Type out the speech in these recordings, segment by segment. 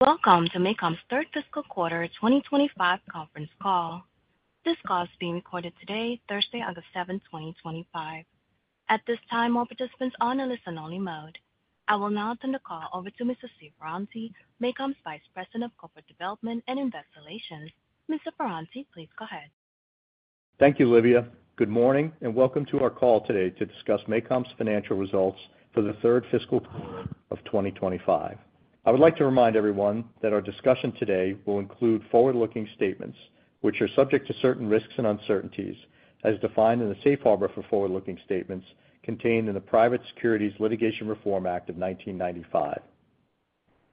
Welcome to MACOM's Third Fiscal Quarter 2025 Conference Call. This call is being recorded today, Thursday, August 7th, 2025. At this time, all participants are on a listen-only mode. I will now turn the call over to Mr. Steve Ferranti, MACOM's Vice President of Corporate Development and Investor Relations. Mr. Ferranti, please go ahead. Thank you, Olivia. Good morning and welcome to our call today to discuss MACOM's financial results for the Third Fiscal Quarter of 2025. I would like to remind everyone that our discussion today will include forward-looking statements, which are subject to certain risks and uncertainties, as defined in the safe harbor for forward-looking statements contained in the Private Securities Litigation Reform Act of 1995.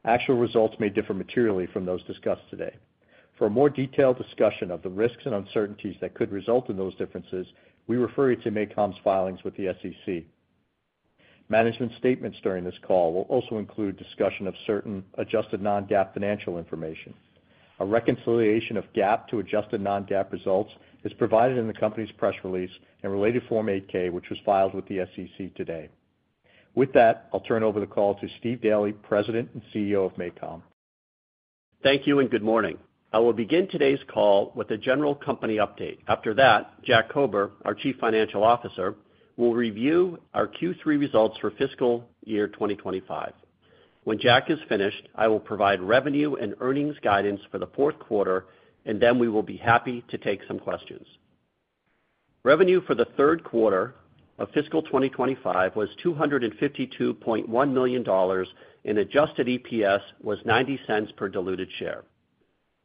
Actual results may differ materially from those discussed today. For a more detailed discussion of the risks and uncertainties that could result in those differences, we refer you to MACOM's filings with the SEC. Management statements during this call will also include discussion of certain adjusted non-GAAP financial information. A reconciliation of GAAP to adjusted non-GAAP results is provided in the company's press release and related Form 8-K, which was filed with the SEC today. With that, I'll turn over the call to Steve Daly, President and CEO of MACOM. Thank you and good morning. I will begin today's call with a general company update. After that, Jack Kober, our Chief Financial Officer, will review our Q3 results for fiscal year 2025. When Jack is finished, I will provide revenue and earnings guidance for the fourth quarter, and then we will be happy to take some questions. Revenue for the third quarter of fiscal 2025 was $252.1 million and adjusted EPS was $0.90 per diluted share.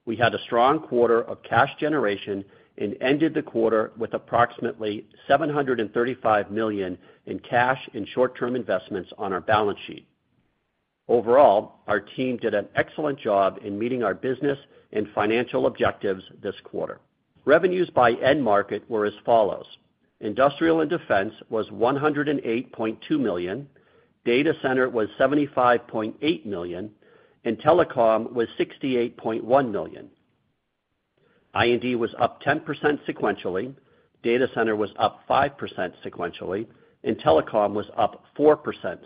We had a strong quarter of cash generation and ended the quarter with approximately $735 million in cash and short-term investments on our balance sheet. Overall, our team did an excellent job in meeting our business and financial objectives this quarter. Revenues by end market were as follows: Industrial and Defense was $108.2 million, Data Center was $75.8 million, and Telecom was $68.1 million. I&D was up 10% sequentially, Data Center was up 5% sequentially, and Telecom was up 4%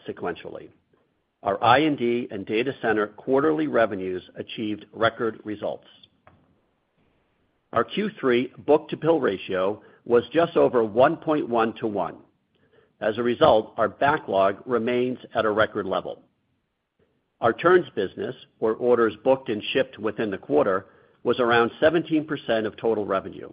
sequentially. Our I&D and Data Center quarterly revenues achieved record results. Our Q3 book-to-bill ratio was just over 1.1:1. As a result, our backlog remains at a record level. Our turns business, or orders booked and shipped within the quarter, was around 17% of total revenue.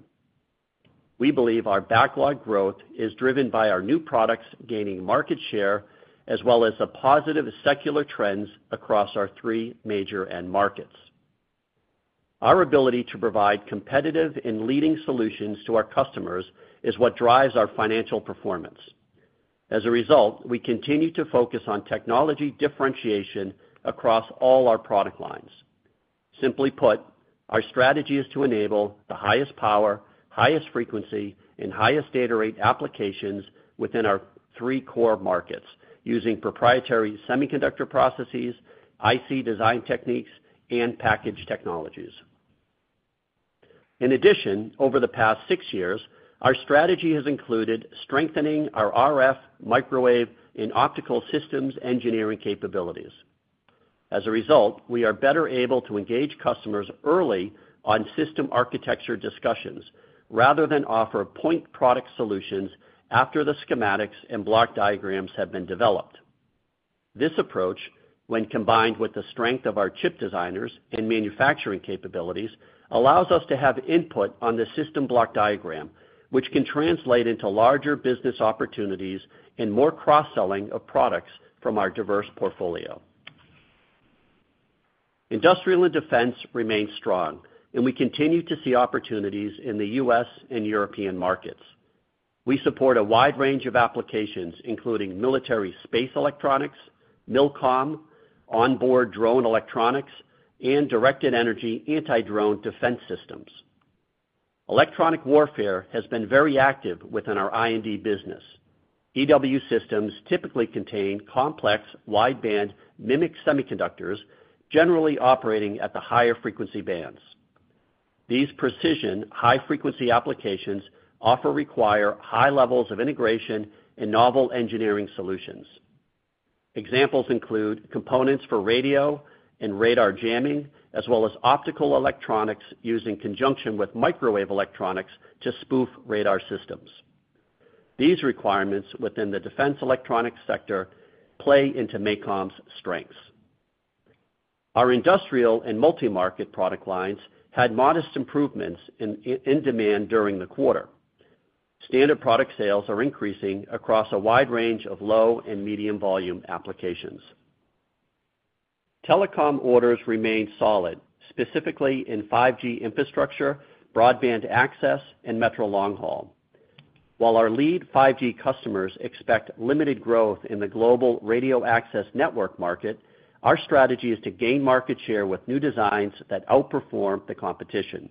We believe our backlog growth is driven by our new products gaining market share, as well as a positive secular trend across our three major end markets. Our ability to provide competitive and leading solutions to our customers is what drives our financial performance. As a result, we continue to focus on technology differentiation across all our product lines. Simply put, our strategy is to enable the highest power, highest frequency, and highest data rate applications within our three core markets using proprietary semiconductor processes, IC design techniques, and packaged technologies. In addition, over the past six years, our strategy has included strengthening our RF, microwave, and optical systems engineering capabilities. As a result, we are better able to engage customers early on system architecture discussions rather than offer point product solutions after the schematics and block diagrams have been developed. This approach, when combined with the strength of our chip designers and manufacturing capabilities, allows us to have input on the system block diagram, which can translate into larger business opportunities and more cross-selling of products from our diverse portfolio. Industrial and Defense remains strong, and we continue to see opportunities in the U.S. and European markets. We support a wide range of applications, including military space electronics, milcom, onboard drone electronics, and directed energy anti-drone defense systems. Electronic warfare has been very active within our I&D business. EW systems typically contain complex wideband MMIC semiconductors, generally operating at the higher frequency bands. These precision high-frequency applications often require high levels of integration and novel engineering solutions. Examples include components for radio and radar jamming, as well as optical electronics used in conjunction with microwave electronics to spoof radar systems. These requirements within the defense electronics sector play into MACOM's strengths. Our industrial and multi-market product lines had modest improvements in demand during the quarter. Standard product sales are increasing across a wide range of low and medium volume applications. Telecom orders remain solid, specifically in 5G infrastructure, broadband access, and metro long haul. While our lead 5G customers expect limited growth in the global radio access network market, our strategy is to gain market share with new designs that outperform the competition.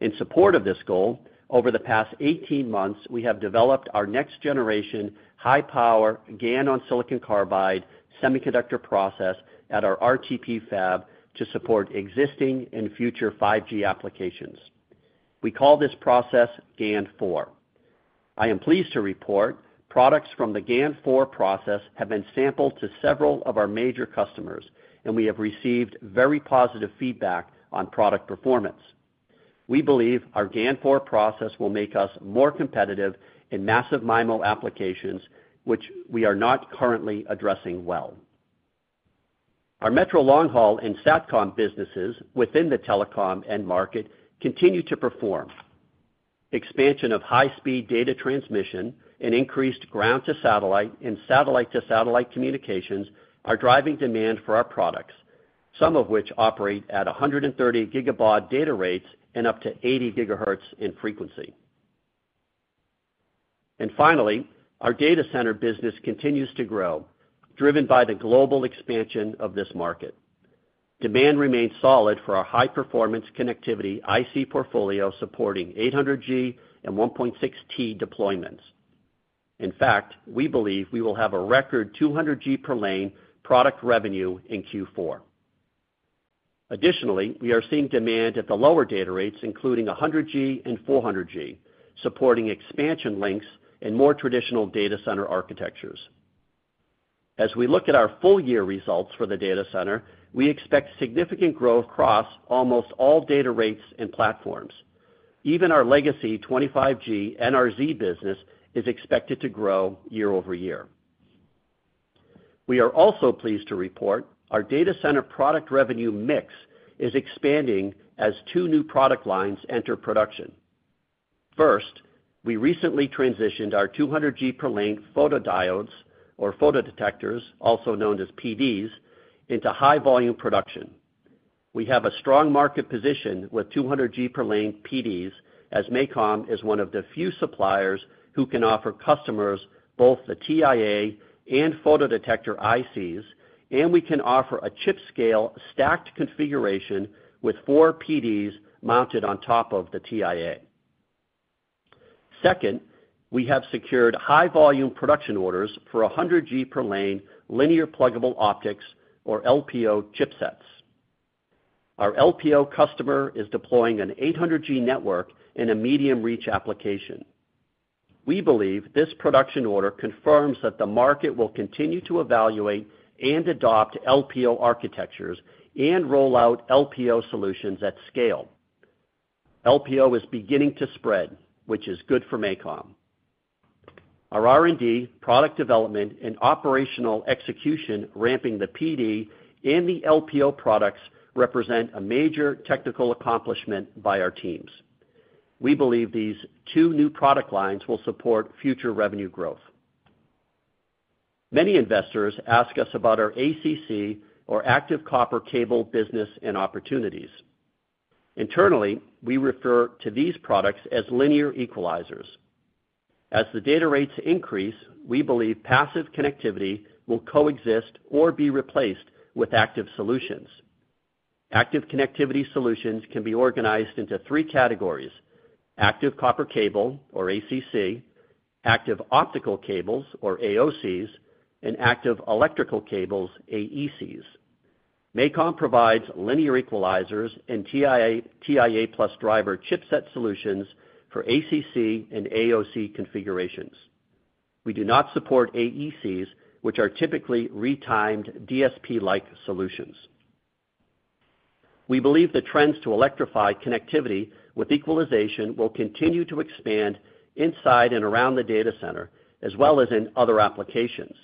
In support of this goal, over the past 18 months, we have developed our next-generation high-power GaN-on-silicon-carbide semiconductor process at our RTP wafer fabrication facility to support existing and future 5G applications. We call this process GaN-4. I am pleased to report products from the GaN-4 process have been sampled to several of our major customers, and we have received very positive feedback on product performance. We believe our GaN-4 process will make us more competitive in massive MIMO applications, which we are not currently addressing well. Our metro long haul and satcom businesses within the telecom end market continue to perform. Expansion of high-speed data transmission and increased ground-to-satellite and satellite-to-satellite communications are driving demand for our products, some of which operate at 130 Gb data rates and up to 80 GHz in frequency. Finally, our data center business continues to grow, driven by the global expansion of this market. Demand remains solid for our high-performance connectivity IC portfolio, supporting 800G and 1.6T deployments. In fact, we believe we will have a record 200G per lane product revenue in Q4. Additionally, we are seeing demand at the lower data rates, including 100G and 400G, supporting expansion links and more traditional data center architectures. As we look at our full-year results for the data center, we expect significant growth across almost all data rates and platforms. Even our legacy 25G NRZ business is expected to grow year-over-year. We are also pleased to report our data center product revenue mix is expanding as two new product lines enter production. First, we recently transitioned our 200G per lane photodetectors, also known as PDs, into high-volume production. We have a strong market position with 200G per lane PDs, as MACOM is one of the few suppliers who can offer customers both the TIA and photodetector ICs, and we can offer a chip-scale stacked configuration with four PDs mounted on top of the TIA. Second, we have secured high-volume production orders for 100G per lane linear pluggable optics, or LPO, chipsets. Our LPO customer is deploying an 800G network in a medium-reach application. We believe this production order confirms that the market will continue to evaluate and adopt LPO architectures and roll out LPO solutions at scale. LPO is beginning to spread, which is good for MACOM. Our R&D, product development, and operational execution ramping the PD and the LPO products represent a major technical accomplishment by our teams. We believe these two new product lines will support future revenue growth. Many investors ask us about our ACC, or Active Copper Cable, business and opportunities. Internally, we refer to these products as linear equalizers. As the data rates increase, we believe passive connectivity will coexist or be replaced with active solutions. Active connectivity solutions can be organized into three categories: active copper cable, or ACC, active optical cables, or AOCs, and active electrical cables, AECs. MACOM provides linear equalizers and TIA plus driver chipset solutions for ACC and AOC configurations. We do not support AECs, which are typically re-timed DSP-like solutions. We believe the trends to electrify connectivity with equalization will continue to expand inside and around the data center, as well as in other applications.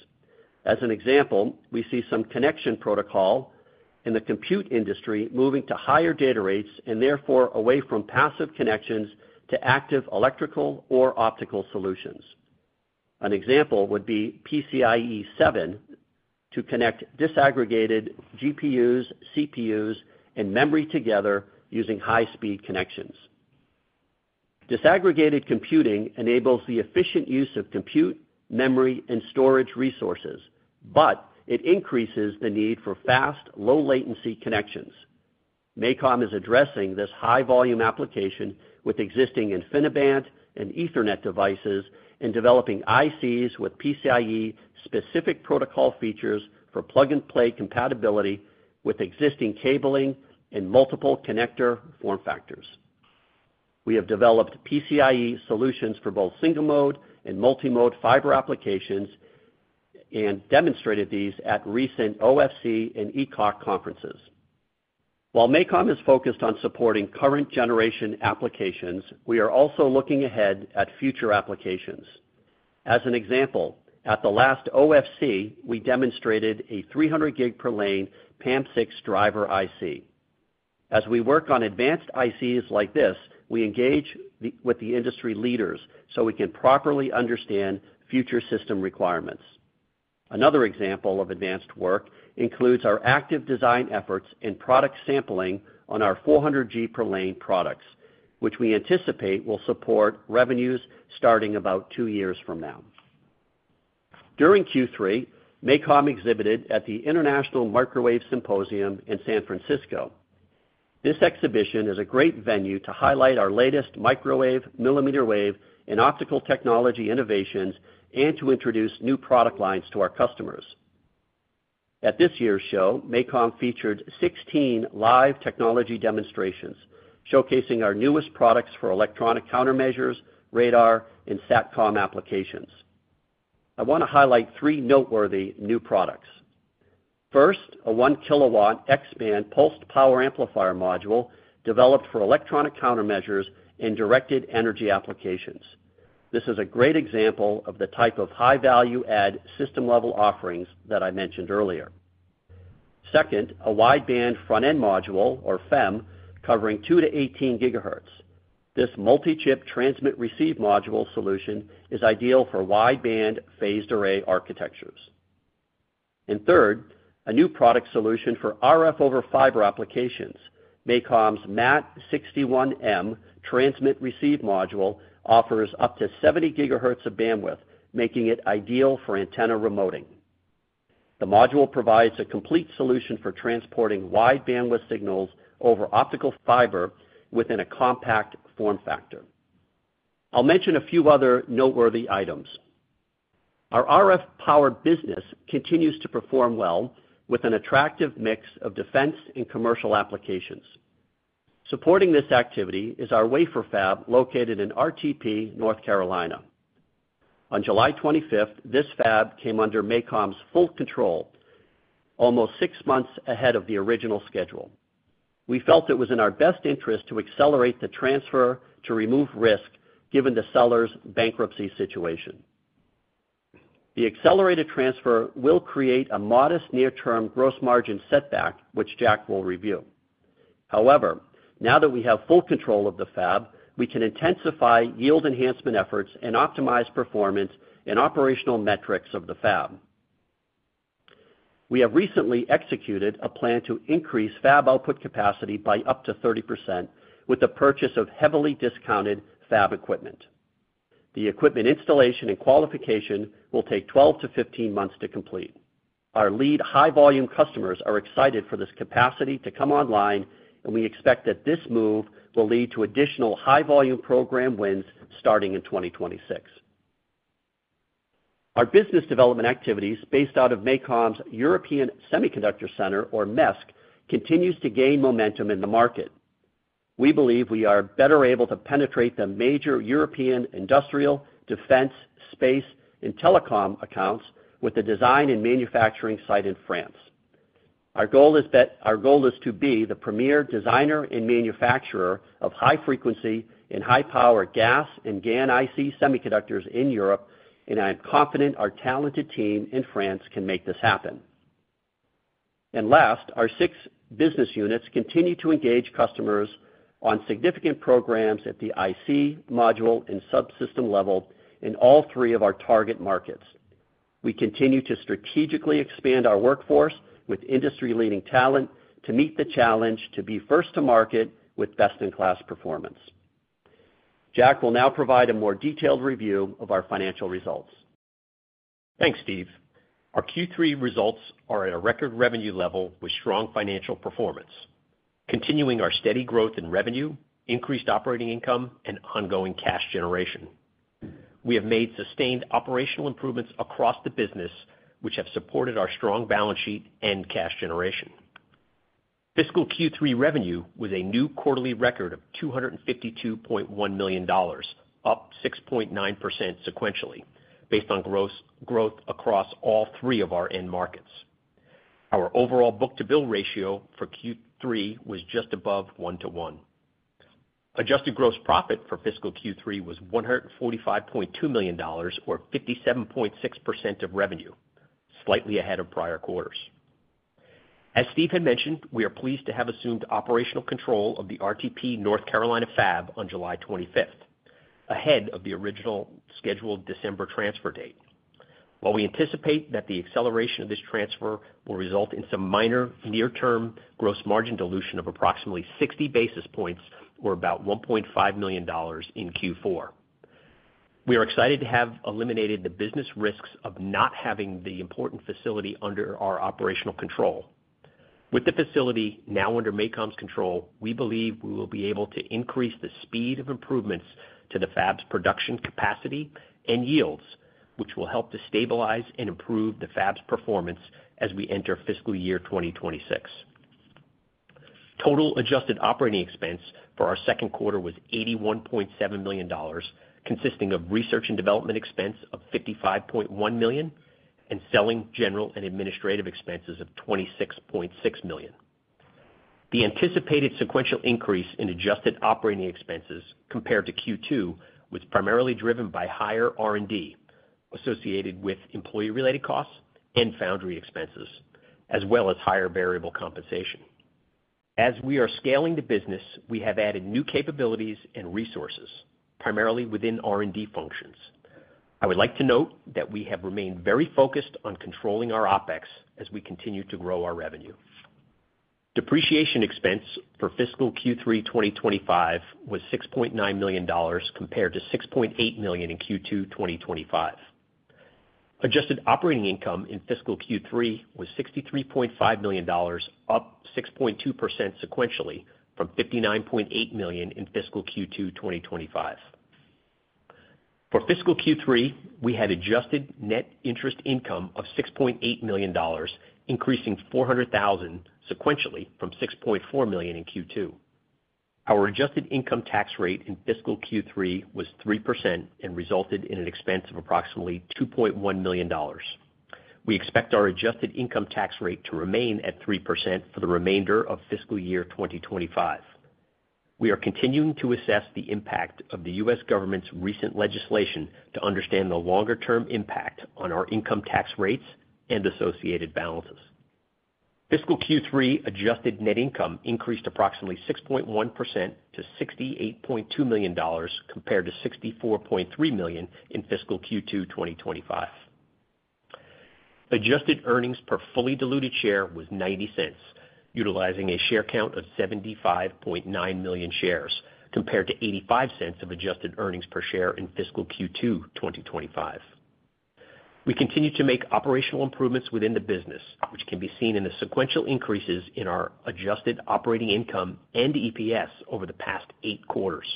As an example, we see some connection protocol in the compute industry moving to higher data rates and therefore away from passive connections to active electrical or optical solutions. An example would be PCIe 7.0 to connect disaggregated GPUs, CPUs, and memory together using high-speed connections. Disaggregated computing enables the efficient use of compute, memory, and storage resources, but it increases the need for fast, low-latency connections. MACOM is addressing this high-volume application with existing InfiniBand and Ethernet devices and developing ICs with PCIe-specific protocol features for plug-and-play compatibility with existing cabling and multiple connector form factors. We have developed PCIe solutions for both single-mode and multi-mode fiber applications and demonstrated these at recent OFC and ECOC conferences. While MACOM is focused on supporting current generation applications, we are also looking ahead at future applications. As an example, at the last OFC, we demonstrated a 300 gig per lane PAM6 driver IC. As we work on advanced ICs like this, we engage with the industry leaders so we can properly understand future system requirements. Another example of advanced work includes our active design efforts and product sampling on our 400G per lane products, which we anticipate will support revenues starting about two years from now. During Q3, MACOM exhibited at the International Microwave Symposium in San Francisco. This exhibition is a great venue to highlight our latest microwave, millimeter wave, and optical technology innovations and to introduce new product lines to our customers. At this year's show, MACOM featured 16 live technology demonstrations showcasing our newest products for electronic countermeasures, radar, and satcom applications. I want to highlight three noteworthy new products. First, a 1 kW X-band pulsed power amplifier module developed for electronic countermeasures and directed energy applications. This is a great example of the type of high-value-add system-level offerings that I mentioned earlier. Second, a wideband front-end module, or FEM, covering 2-18 GHz. This multi-chip transmit-receive module solution is ideal for wideband phased array architectures. Third, a new product solution for RF over fiber applications. MACOM's MATT-61M transmit-receive module offers up to 70 GHz of bandwidth, making it ideal for antenna remoting. The module provides a complete solution for transporting wide bandwidth signals over optical fiber within a compact form factor. I'll mention a few other noteworthy items. Our RF-powered business continues to perform well with an attractive mix of defense and commercial applications. Supporting this activity is our wafer fab located in RTP, North Carolina. On July 25th, this fab came under MACOM's full control, almost six months ahead of the original schedule. We felt it was in our best interest to accelerate the transfer to remove risk given the seller's bankruptcy situation. The accelerated transfer will create a modest near-term gross margin setback, which Jack will review. However, now that we have full control of the fab, we can intensify yield enhancement efforts and optimize performance and operational metrics of the fab. We have recently executed a plan to increase fab output capacity by up to 30% with the purchase of heavily discounted fab equipment. The equipment installation and qualification will take 12 to 15 months to complete. Our lead high-volume customers are excited for this capacity to come online, and we expect that this move will lead to additional high-volume program wins starting in 2026. Our business development activities based out of MACOM's European Semiconductor Center, or MESC, continue to gain momentum in the market. We believe we are better able to penetrate the major European industrial, defense, space, and telecom accounts with a design and manufacturing site in France. Our goal is to be the premier designer and manufacturer of high-frequency and high-power GaAs and GaN IC semiconductors in Europe, and I am confident our talented team in France can make this happen. Our six business units continue to engage customers on significant programs at the IC, module, and subsystem level in all three of our target markets. We continue to strategically expand our workforce with industry-leading talent to meet the challenge to be first to market with best-in-class performance. Jack will now provide a more detailed review of our financial results. Thanks, Steve. Our Q3 results are at a record revenue level with strong financial performance, continuing our steady growth in revenue, increased operating income, and ongoing cash generation. We have made sustained operational improvements across the business, which have supported our strong balance sheet and cash generation. Fiscal Q3 revenue was a new quarterly record of $252.1 million, up 6.9% sequentially, based on gross growth across all three of our end markets. Our overall book-to-bill ratio for Q3 was just above 1:1. Adjusted gross profit for fiscal Q3 was $145.2 million, or 57.6% of revenue, slightly ahead of prior quarters. As Steve had mentioned, we are pleased to have assumed operational control of the RTP, North Carolina wafer fabrication facility on July 25th, ahead of the original scheduled December transfer date. While we anticipate that the acceleration of this transfer will result in some minor near-term gross margin dilution of approximately 60 basis points, or about $1.5 million in Q4, we are excited to have eliminated the business risks of not having the important facility under our operational control. With the facility now under MACOM's control, we believe we will be able to increase the speed of improvements to the fab's production capacity and yields, which will help to stabilize and improve the fab's performance as we enter fiscal year 2026. Total adjusted operating expense for our second quarter was $81.7 million, consisting of research and development expense of $55.1 million and selling, general, and administrative expenses of $26.6 million. The anticipated sequential increase in adjusted operating expenses compared to Q2 was primarily driven by higher R&D associated with employee-related costs and foundry expenses, as well as higher variable compensation. As we are scaling the business, we have added new capabilities and resources, primarily within R&D functions. I would like to note that we have remained very focused on controlling our OpEx as we continue to grow our revenue. Depreciation expense for fiscal Q3 2025 was $6.9 million compared to $6.8 million in Q2 2025. Adjusted operating income in fiscal Q3 was $63.5 million, up 6.2% sequentially from $59.8 million in fiscal Q2 2025. For fiscal Q3, we had adjusted net interest income of $6.8 million, increasing $0.4 million sequentially from $6.4 million in Q2. Our adjusted income tax rate in fiscal Q3 was 3% and resulted in an expense of approximately $2.1 million. We expect our adjusted income tax rate to remain at 3% for the remainder of fiscal year 2025. We are continuing to assess the impact of the U.S. government's recent legislation to understand the longer-term impact on our income tax rates and associated balances. Fiscal Q3 adjusted net income increased approximately 6.1% to $68.2 million compared to $64.3 million in fiscal Q2 2025. Adjusted earnings per fully diluted share was $0.90, utilizing a share count of 75.9 million shares compared to $0.85 of adjusted earnings per share in fiscal Q2 2025. We continue to make operational improvements within the business, which can be seen in the sequential increases in our adjusted operating income and EPS over the past eight quarters.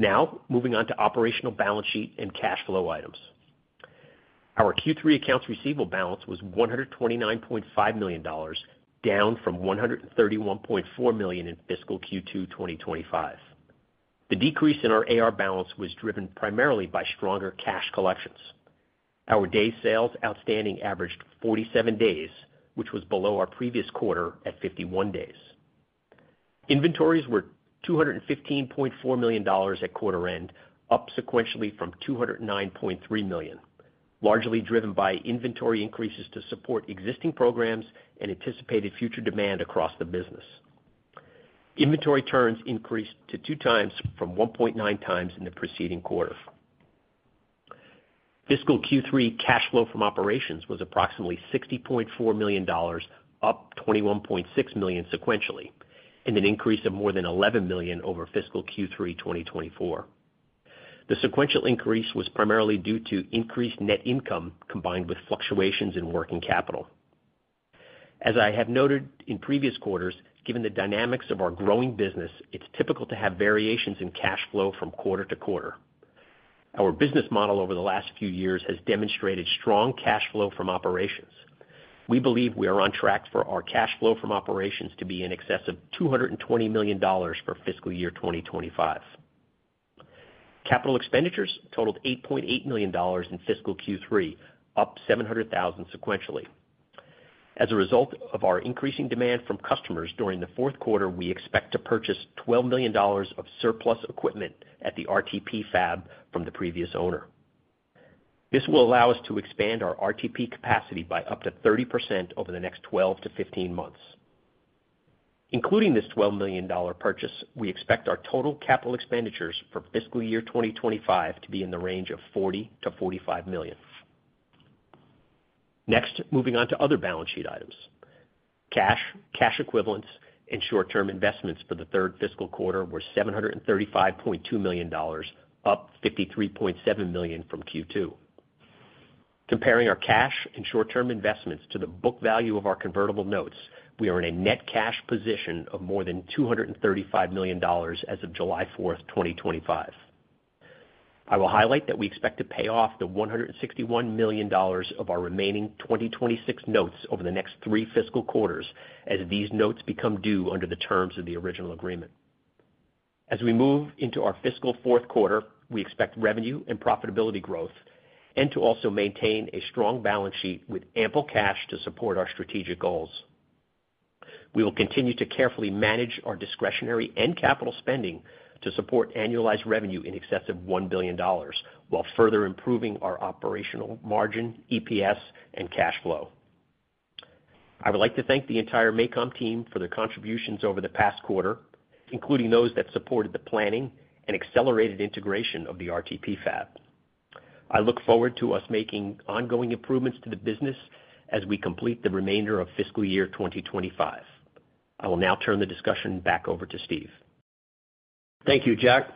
Now, moving on to operational balance sheet and cash flow items. Our Q3 accounts receivable balance was $129.5 million, down from $131.4 million in fiscal Q2 2025. The decrease in our AR balance was driven primarily by stronger cash collections. Our day sales outstanding averaged 47 days, which was below our previous quarter at 51 days. Inventories were $215.4 million at quarter end, up sequentially from $209.3 million, largely driven by inventory increases to support existing programs and anticipated future demand across the business. Inventory turns increased to 2 times from 1.9 times in the preceding quarter. Fiscal Q3 cash flow from operations was approximately $60.4 million, up $21.6 million sequentially, and an increase of more than $11 million over fiscal Q3 2024. The sequential increase was primarily due to increased net income combined with fluctuations in working capital. As I have noted in previous quarters, given the dynamics of our growing business, it's typical to have variations in cash flow from quarter-to-quarter. Our business model over the last few years has demonstrated strong cash flow from operations. We believe we are on track for our cash flow from operations to be in excess of $220 million for fiscal year 2025. Capital expenditures totaled $8.8 million in fiscal Q3, up $700,000 sequentially. As a result of our increasing demand from customers during the fourth quarter, we expect to purchase $12 million of surplus equipment at the RTP fab from the previous owner. This will allow us to expand our RTP capacity by up to 30% over the next 12-15 months. Including this $12 million purchase, we expect our total capital expenditures for fiscal year 2025 to be in the range of $40 million-$45 million. Next, moving on to other balance sheet items. Cash, cash equivalents, and short-term investments for the third fiscal quarter were $735.2 million, up $53.7 million from Q2. Comparing our cash and short-term investments to the book value of our convertible notes, we are in a net cash position of more than $235 million as of July 4th, 2025. I will highlight that we expect to pay off the $161 million of our remaining 2026 notes over the next three fiscal quarters as these notes become due under the terms of the original agreement. As we move into our fiscal fourth quarter, we expect revenue and profitability growth and to also maintain a strong balance sheet with ample cash to support our strategic goals. We will continue to carefully manage our discretionary and capital spending to support annualized revenue in excess of $1 billion while further improving our operational margin, EPS, and cash flow. I would like to thank the entire MACOM team for their contributions over the past quarter, including those that supported the planning and accelerated integration of the RTP fab. I look forward to us making ongoing improvements to the business as we complete the remainder of fiscal year 2025. I will now turn the discussion back over to Steve. Thank you, Jack.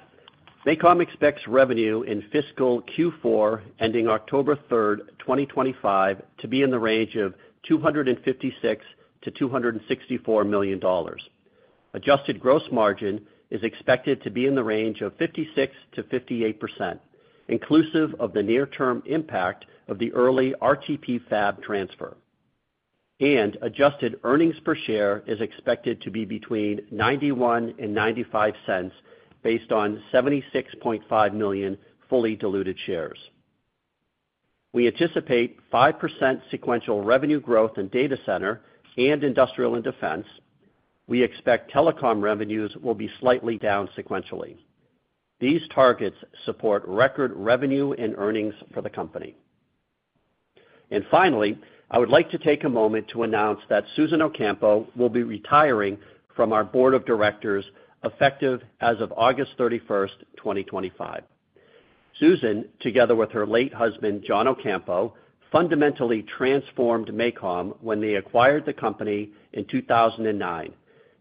MACOM expects revenue in fiscal Q4 ending October 3rd, 2025, to be in the range of $256 million-$264 million. Adjusted gross margin is expected to be in the range of 56%-58%, inclusive of the near-term impact of the early RTP fab transfer. Adjusted earnings per share is expected to be between $0.91 and $0.95 based on 76.5 million fully diluted shares. We anticipate 5% sequential revenue growth in data center and Industrial and Defense. We expect telecom revenues will be slightly down sequentially. These targets support record revenue and earnings for the company. Finally, I would like to take a moment to announce that Susan Ocampo will be retiring from our board of directors effective as of August 31st, 2025. Susan, together with her late husband, John Ocampo, fundamentally transformed MACOM when they acquired the company in 2009,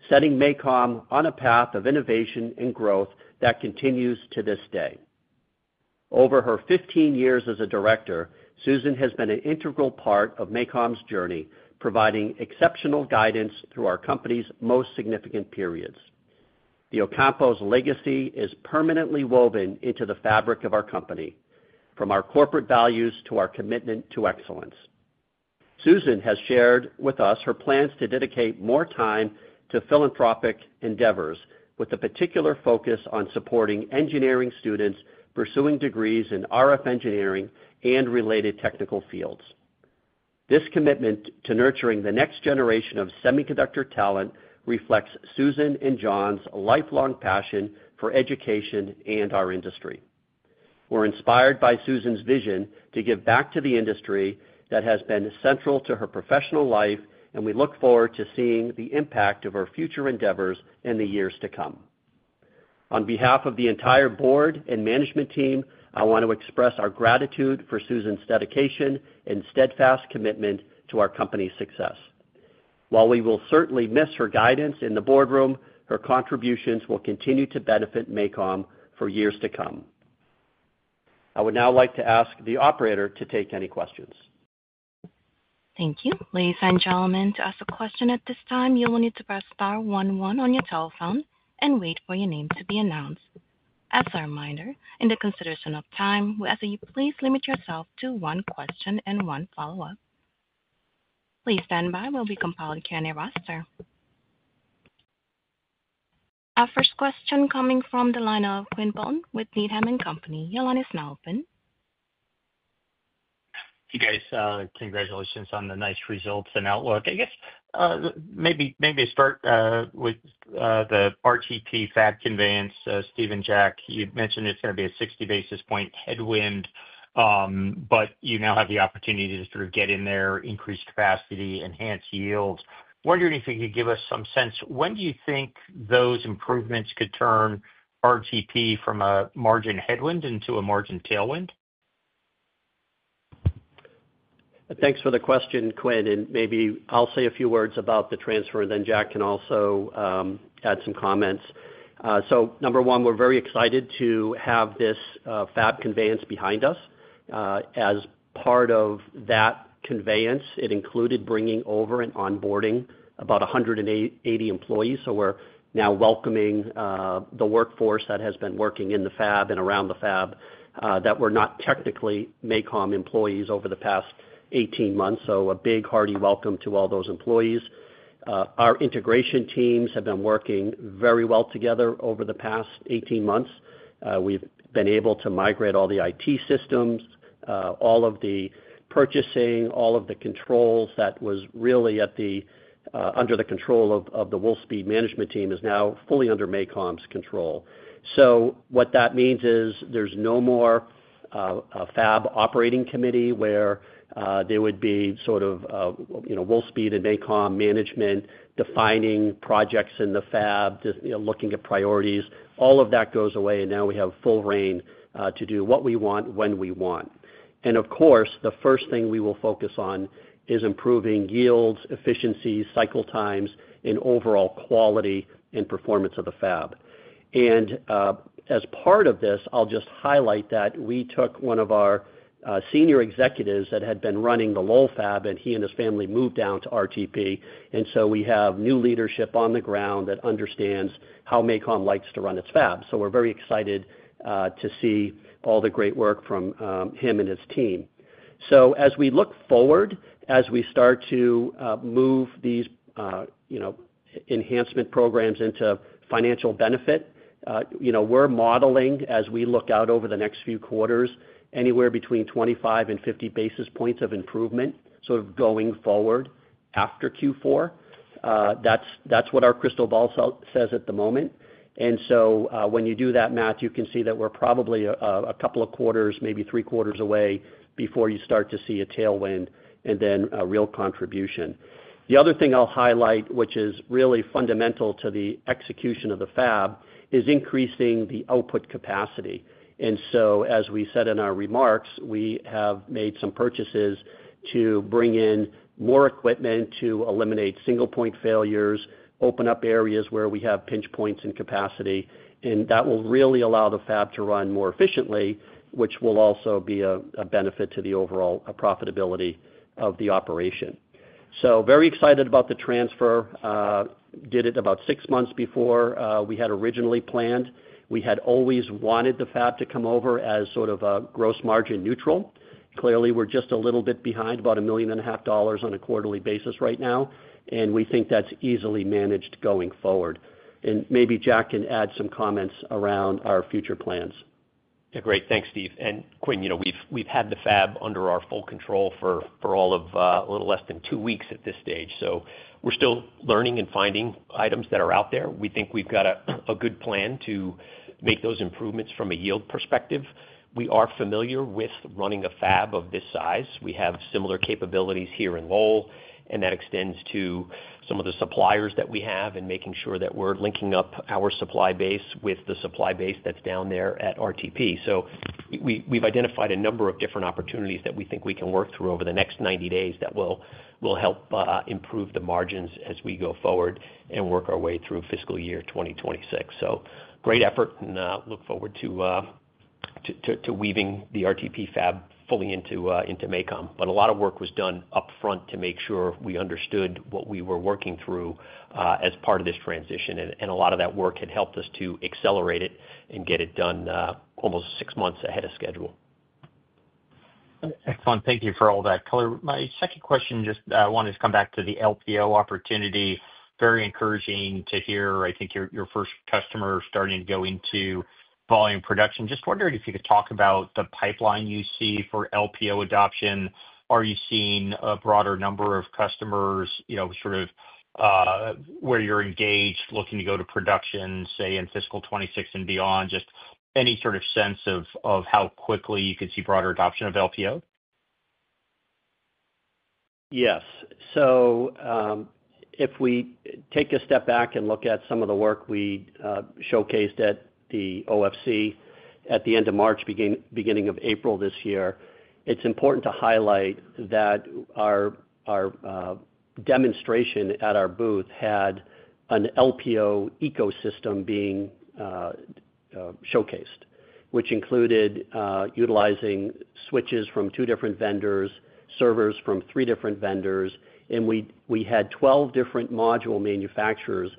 setting MACOM on a path of innovation and growth that continues to this day. Over her 15 years as a director, Susan has been an integral part of MACOM's journey, providing exceptional guidance through our company's most significant periods. The Ocampos' legacy is permanently woven into the fabric of our company, from our corporate values to our commitment to excellence. Susan has shared with us her plans to dedicate more time to philanthropic endeavors, with a particular focus on supporting engineering students pursuing degrees in RF engineering and related technical fields. This commitment to nurturing the next generation of semiconductor talent reflects Susan and John's lifelong passion for education and our industry. We're inspired by Susan's vision to give back to the industry that has been central to her professional life, and we look forward to seeing the impact of her future endeavors in the years to come. On behalf of the entire board and management team, I want to express our gratitude for Susan's dedication and steadfast commitment to our company's success. While we will certainly miss her guidance in the boardroom, her contributions will continue to benefit MACOM for years to come. I would now like to ask the operator to take any questions. Thank you. Ladies and gentlemen, to ask a question at this time, you will need to press star one one on your telephone and wait for your name to be announced. As a reminder, in the consideration of time, we ask that you please limit yourself to one question and one follow-up. Please stand by. We'll be compiling a Q&A roster. Our first question coming from the line of Quinn Bolton with Needham & Company. Your line is now open. Hey, guys. Congratulations on the nice results and outlook. I guess maybe I start with the RTP wafer fabrication facility conveyance. Steve and Jack, you mentioned it's going to be a 60 basis point headwind, but you now have the opportunity to sort of get in there, increase capacity, enhance yield. Wondering if you could give us some sense, when do you think those improvements could turn RTP from a margin headwind into a margin tailwind? Thanks for the question, Quinn. Maybe I'll say a few words about the transfer, and then Jack can also add some comments. Number one, we're very excited to have this fab conveyance behind us. As part of that conveyance, it included bringing over and onboarding about 180 employees. We're now welcoming the workforce that has been working in the fab and around the fab that were not technically MACOM employees over the past 18 months. A big hearty welcome to all those employees. Our integration teams have been working very well together over the past 18 months. We've been able to migrate all the IT systems, all of the purchasing, all of the controls that were really under the control of the Wolfspeed management team, which is now fully under MACOM's control. What that means is there's no more fab operating committee where there would be sort of Wolfspeed and MACOM management defining projects in the fab, looking at priorities. All of that goes away, and now we have full rein to do what we want when we want. Of course, the first thing we will focus on is improving yields, efficiency, cycle times, and overall quality and performance of the fab. As part of this, I'll just highlight that we took one of our senior executives that had been running the Lowell fab, and he and his family moved down to RTP. We have new leadership on the ground that understands how MACOM likes to run its fab. We're very excited to see all the great work from him and his team. As we look forward, as we start to move these enhancement programs into financial benefit, we're modeling, as we look out over the next few quarters, anywhere between 25 and 50 basis points of improvement going forward after Q4. That's what our crystal ball says at the moment. When you do that math, you can see that we're probably a couple of quarters, maybe three quarters away before you start to see a tailwind and then a real contribution. The other thing I'll highlight, which is really fundamental to the execution of the fab, is increasing the output capacity. As we said in our remarks, we have made some purchases to bring in more equipment to eliminate single-point failures, open up areas where we have pinch points in capacity. That will really allow the fab to run more efficiently, which will also be a benefit to the overall profitability of the operation. Very excited about the transfer. Did it about six months before we had originally planned. We had always wanted the fab to come over as sort of a gross margin neutral. Clearly, we're just a little bit behind, about $1.5 million on a quarterly basis right now. We think that's easily managed going forward. Maybe Jack can add some comments around our future plans. Yeah. Great. Thanks, Steve. And Quinn, you know we've had the fab under our full control for all of a little less than two weeks at this stage. We're still learning and finding items that are out there. We think we've got a good plan to make those improvements from a yield perspective. We are familiar with running a fab of this size. We have similar capabilities here in Lowell, and that extends to some of the suppliers that we have and making sure that we're linking up our supply base with the supply base that's down there at RTP. We've identified a number of different opportunities that we think we can work through over the next 90 days that will help improve the margins as we go forward and work our way through fiscal year 2026. Great effort, and I look forward to weaving the RTP fab fully into MACOM. A lot of work was done upfront to make sure we understood what we were working through as part of this transition. A lot of that work had helped us to accelerate it and get it done almost six months ahead of schedule. Excellent. Thank you for all that color. My second question, just wanted to come back to the LPO opportunity. Very encouraging to hear. I think your first customer is starting to go into volume production. Just wondering if you could talk about the pipeline you see for LPO adoption. Are you seeing a broader number of customers, you know, sort of where you're engaged, looking to go to production, say, in fiscal 2026 and beyond? Just any sort of sense of how quickly you could see broader adoption of LPO? Yes. If we take a step back and look at some of the work we showcased at the OFC at the end of March, beginning of April this year, it's important to highlight that our demonstration at our booth had an LPO ecosystem being showcased, which included utilizing switches from two different vendors, servers from three different vendors, and we had 12 different module manufacturers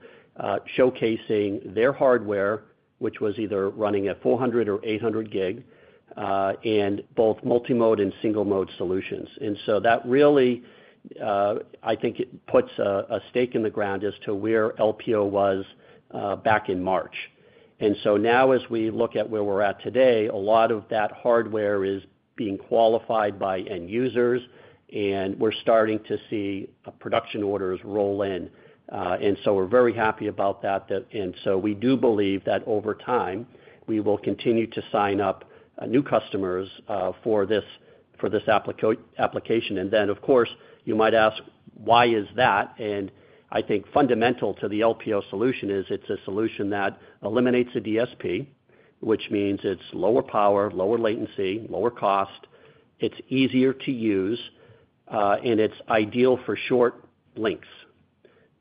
showcasing their hardware, which was either running at 400 or 800G and both multi-mode and single-mode solutions. That really, I think, puts a stake in the ground as to where LPO was back in March. As we look at where we're at today, a lot of that hardware is being qualified by end users, and we're starting to see production orders roll in. We're very happy about that. We do believe that over time, we will continue to sign up new customers for this application. Of course, you might ask, why is that? I think fundamental to the LPO solution is it's a solution that eliminates the DSP, which means it's lower power, lower latency, lower cost. It's easier to use, and it's ideal for short links.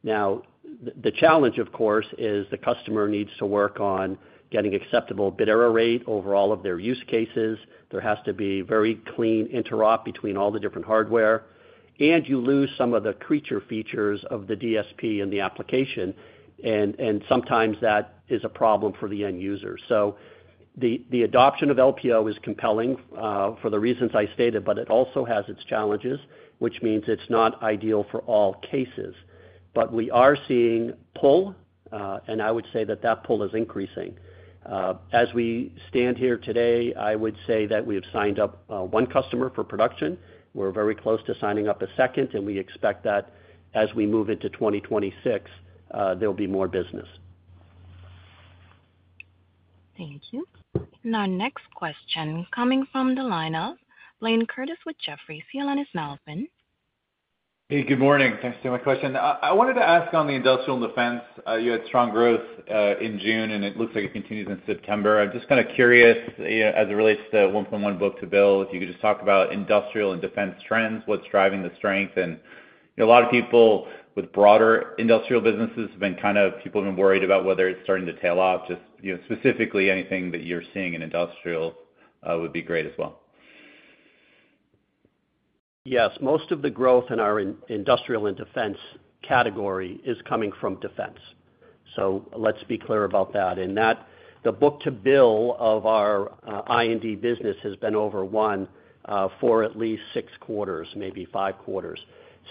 The challenge, of course, is the customer needs to work on getting acceptable bit error rate over all of their use cases. There has to be very clean interop between all the different hardware, and you lose some of the creature features of the DSP in the application. Sometimes that is a problem for the end users. The adoption of LPO is compelling for the reasons I stated, but it also has its challenges, which means it's not ideal for all cases. We are seeing pull, and I would say that that pull is increasing. As we stand here today, I would say that we have signed up one customer for production. We're very close to signing up a second, and we expect that as we move into 2026, there'll be more business. Thank you. Now, next question coming from the line of Blayne Curtis with Jefferies. Q&A line is now open. Hey, good morning. Thanks for my question. I wanted to ask on the Industrial and Defense. You had strong growth in June, and it looks like it continues in September. I'm just kind of curious as it relates to the 1.1 book-to-bill. If you could just talk about Industrial and Defense trends, what's driving the strength? A lot of people with broader industrial businesses have been kind of, people have been worried about whether it's starting to tail off. Specifically, anything that you're seeing in industrial would be great as well. Yes, most of the growth in our Industrial and Defense category is coming from defense. Let's be clear about that. The book-to-bill of our I&D business has been over 1 for at least six quarters, maybe five quarters.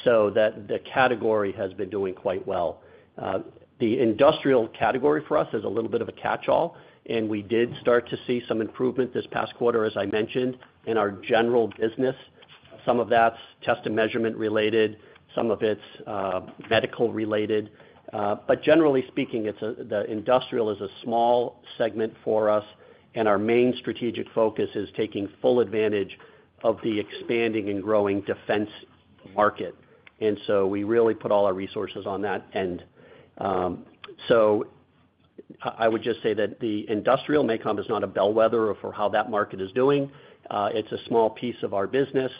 The category has been doing quite well. The industrial category for us is a little bit of a catch-all, and we did start to see some improvement this past quarter, as I mentioned, in our general business. Some of that's test and measurement related, some of it's medical related. Generally speaking, the industrial is a small segment for us, and our main strategic focus is taking full advantage of the expanding and growing defense market. We really put all our resources on that end. I would just say that the industrial at MACOM is not a bellwether for how that market is doing. It's a small piece of our business,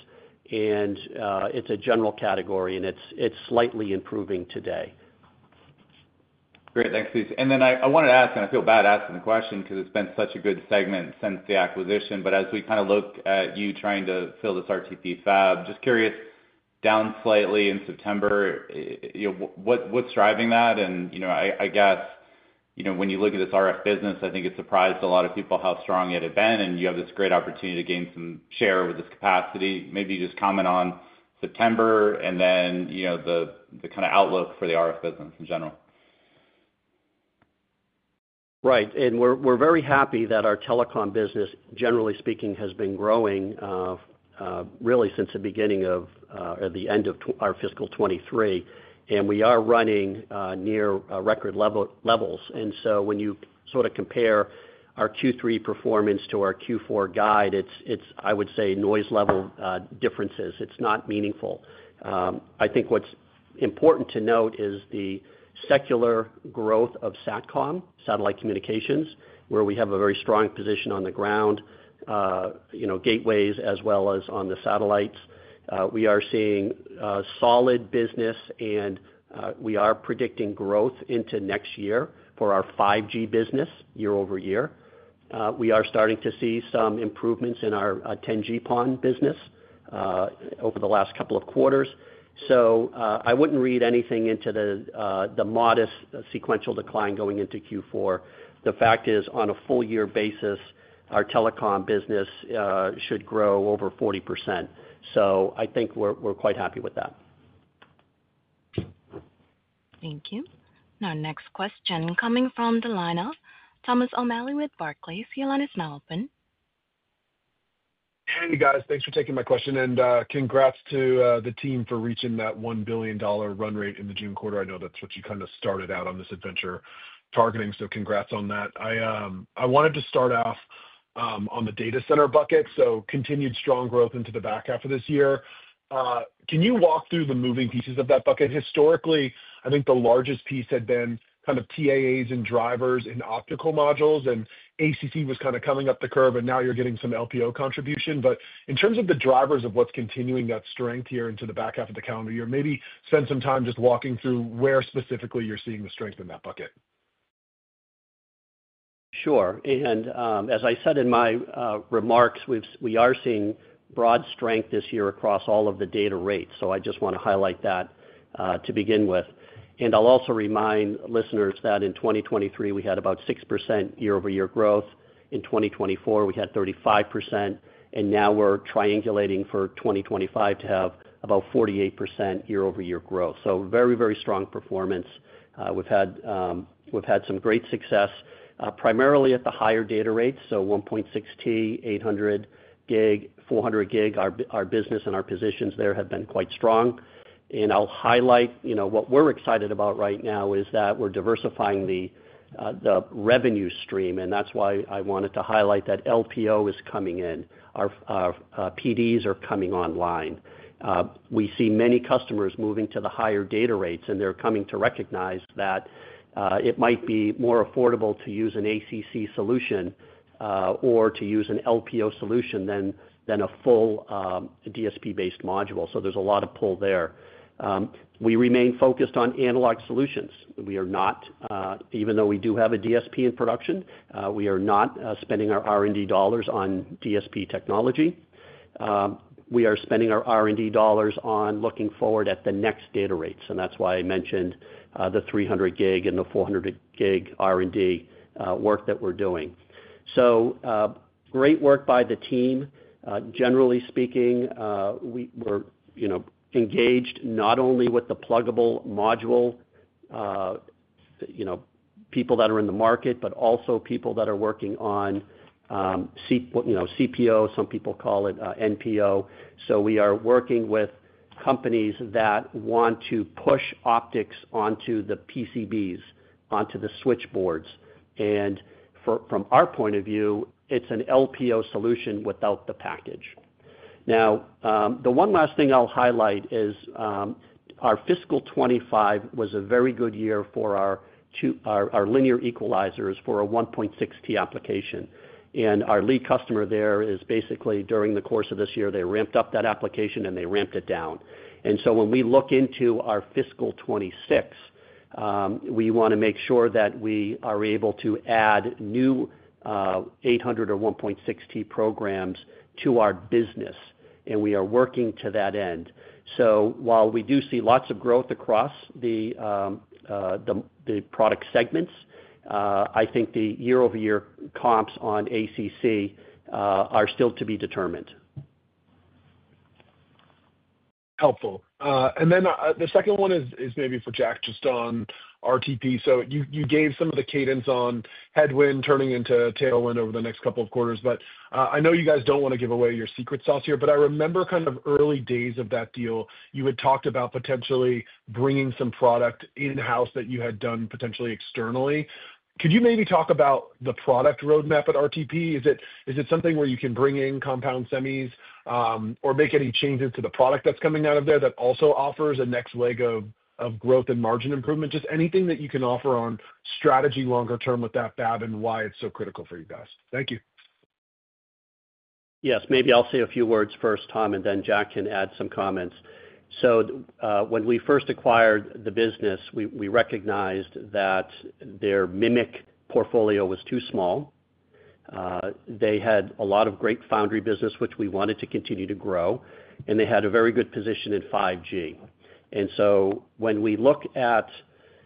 and it's a general category, and it's slightly improving today. Great. Thanks, Steve. I wanted to ask, and I feel bad asking the question because it's been such a good segment since the acquisition. As we kind of look at you trying to fill this RTP fab, just curious, down slightly in September, you know what's driving that? I guess when you look at this RF business, I think it surprised a lot of people how strong it had been, and you have this great opportunity to gain some share with this capacity. Maybe you just comment on September and the kind of outlook for the RF business in general. Right. We're very happy that our telecom business, generally speaking, has been growing really since the beginning of the end of our fiscal 2023. We are running near record levels. When you sort of compare our Q3 performance to our Q4 guide, it's, I would say, noise level differences. It's not meaningful. I think what's important to note is the secular growth of satcom, satellite communications, where we have a very strong position on the ground, you know, gateways, as well as on the satellites. We are seeing solid business, and we are predicting growth into next year for our 5G business year-over-year. We are starting to see some improvements in our 10G PON business over the last couple of quarters. I wouldn't read anything into the modest sequential decline going into Q4. The fact is, on a full-year basis, our telecom business should grow over 40%. I think we're quite happy with that. Thank you. Now, next question coming from the line of Thomas O'Malley with Barclays. Your line is now open. Hey, guys. Thanks for taking my question. Congrats to the team for reaching that $1 billion run rate in the June quarter. I know that's what you kind of started out on this adventure targeting. Congrats on that. I wanted to start off on the data center bucket. Continued strong growth into the back half of this year. Can you walk through the moving pieces of that bucket? Historically, I think the largest piece had been kind of TAAs and drivers and optical modules, and ACC was kind of coming up the curve, and now you're getting some LPO contribution. In terms of the drivers of what's continuing that strength here into the back half of the calendar year, maybe spend some time just walking through where specifically you're seeing the strength in that bucket. Sure. As I said in my remarks, we are seeing broad strength this year across all of the data rates. I just want to highlight that to begin with. I'll also remind listeners that in 2023, we had about 6% year-over-year growth. In 2024, we had 35%. Now we're triangulating for 2025 to have about 48% year-over-year growth. Very, very strong performance. We've had some great success primarily at the higher data rates. 1.6T, 800G, 400G, our business and our positions there have been quite strong. I'll highlight what we're excited about right now is that we're diversifying the revenue stream. That's why I wanted to highlight that LPO is coming in. Our PDs are coming online. We see many customers moving to the higher data rates, and they're coming to recognize that it might be more affordable to use an ACC solution or to use an LPO solution than a full DSP-based module. There's a lot of pull there. We remain focused on analog solutions. Even though we do have a DSP in production, we are not spending our R&D dollars on DSP technology. We are spending our R&D dollars on looking forward at the next data rates. That's why I mentioned the 300G and the 400G R&D work that we're doing. Great work by the team. Generally speaking, we're engaged not only with the pluggable module people that are in the market, but also people that are working on CPO, some people call it NPO. We are working with companies that want to push optics onto the PCBs, onto the switchboards. From our point of view, it's an LPO solution without the package. The one last thing I'll highlight is our fiscal 2025 was a very good year for our linear equalizers for a 1.6T application. Our lead customer there is basically, during the course of this year, they ramped up that application and they ramped it down. When we look into our fiscal 2026, we want to make sure that we are able to add new 800G or 1.6T programs to our business. We are working to that end. While we do see lots of growth across the product segments, I think the year-over-year comps on ACC are still to be determined. Helpful. The second one is maybe for Jack just on RTP. You gave some of the cadence on headwind turning into tailwind over the next couple of quarters. I know you guys don't want to give away your secret sauce here, but I remember kind of early days of that deal, you had talked about potentially bringing some product in-house that you had done potentially externally. Could you maybe talk about the product roadmap at RTP? Is it something where you can bring in compound semis or make any changes to the product that's coming out of there that also offers a next leg of growth and margin improvement? Just anything that you can offer on strategy longer term with that fab and why it's so critical for you guys. Thank you. Yes, maybe I'll say a few words first, Tom, and then Jack can add some comments. When we first acquired the business, we recognized that their MMIC portfolio was too small. They had a lot of great foundry business, which we wanted to continue to grow, and they had a very good position in 5G. When we look at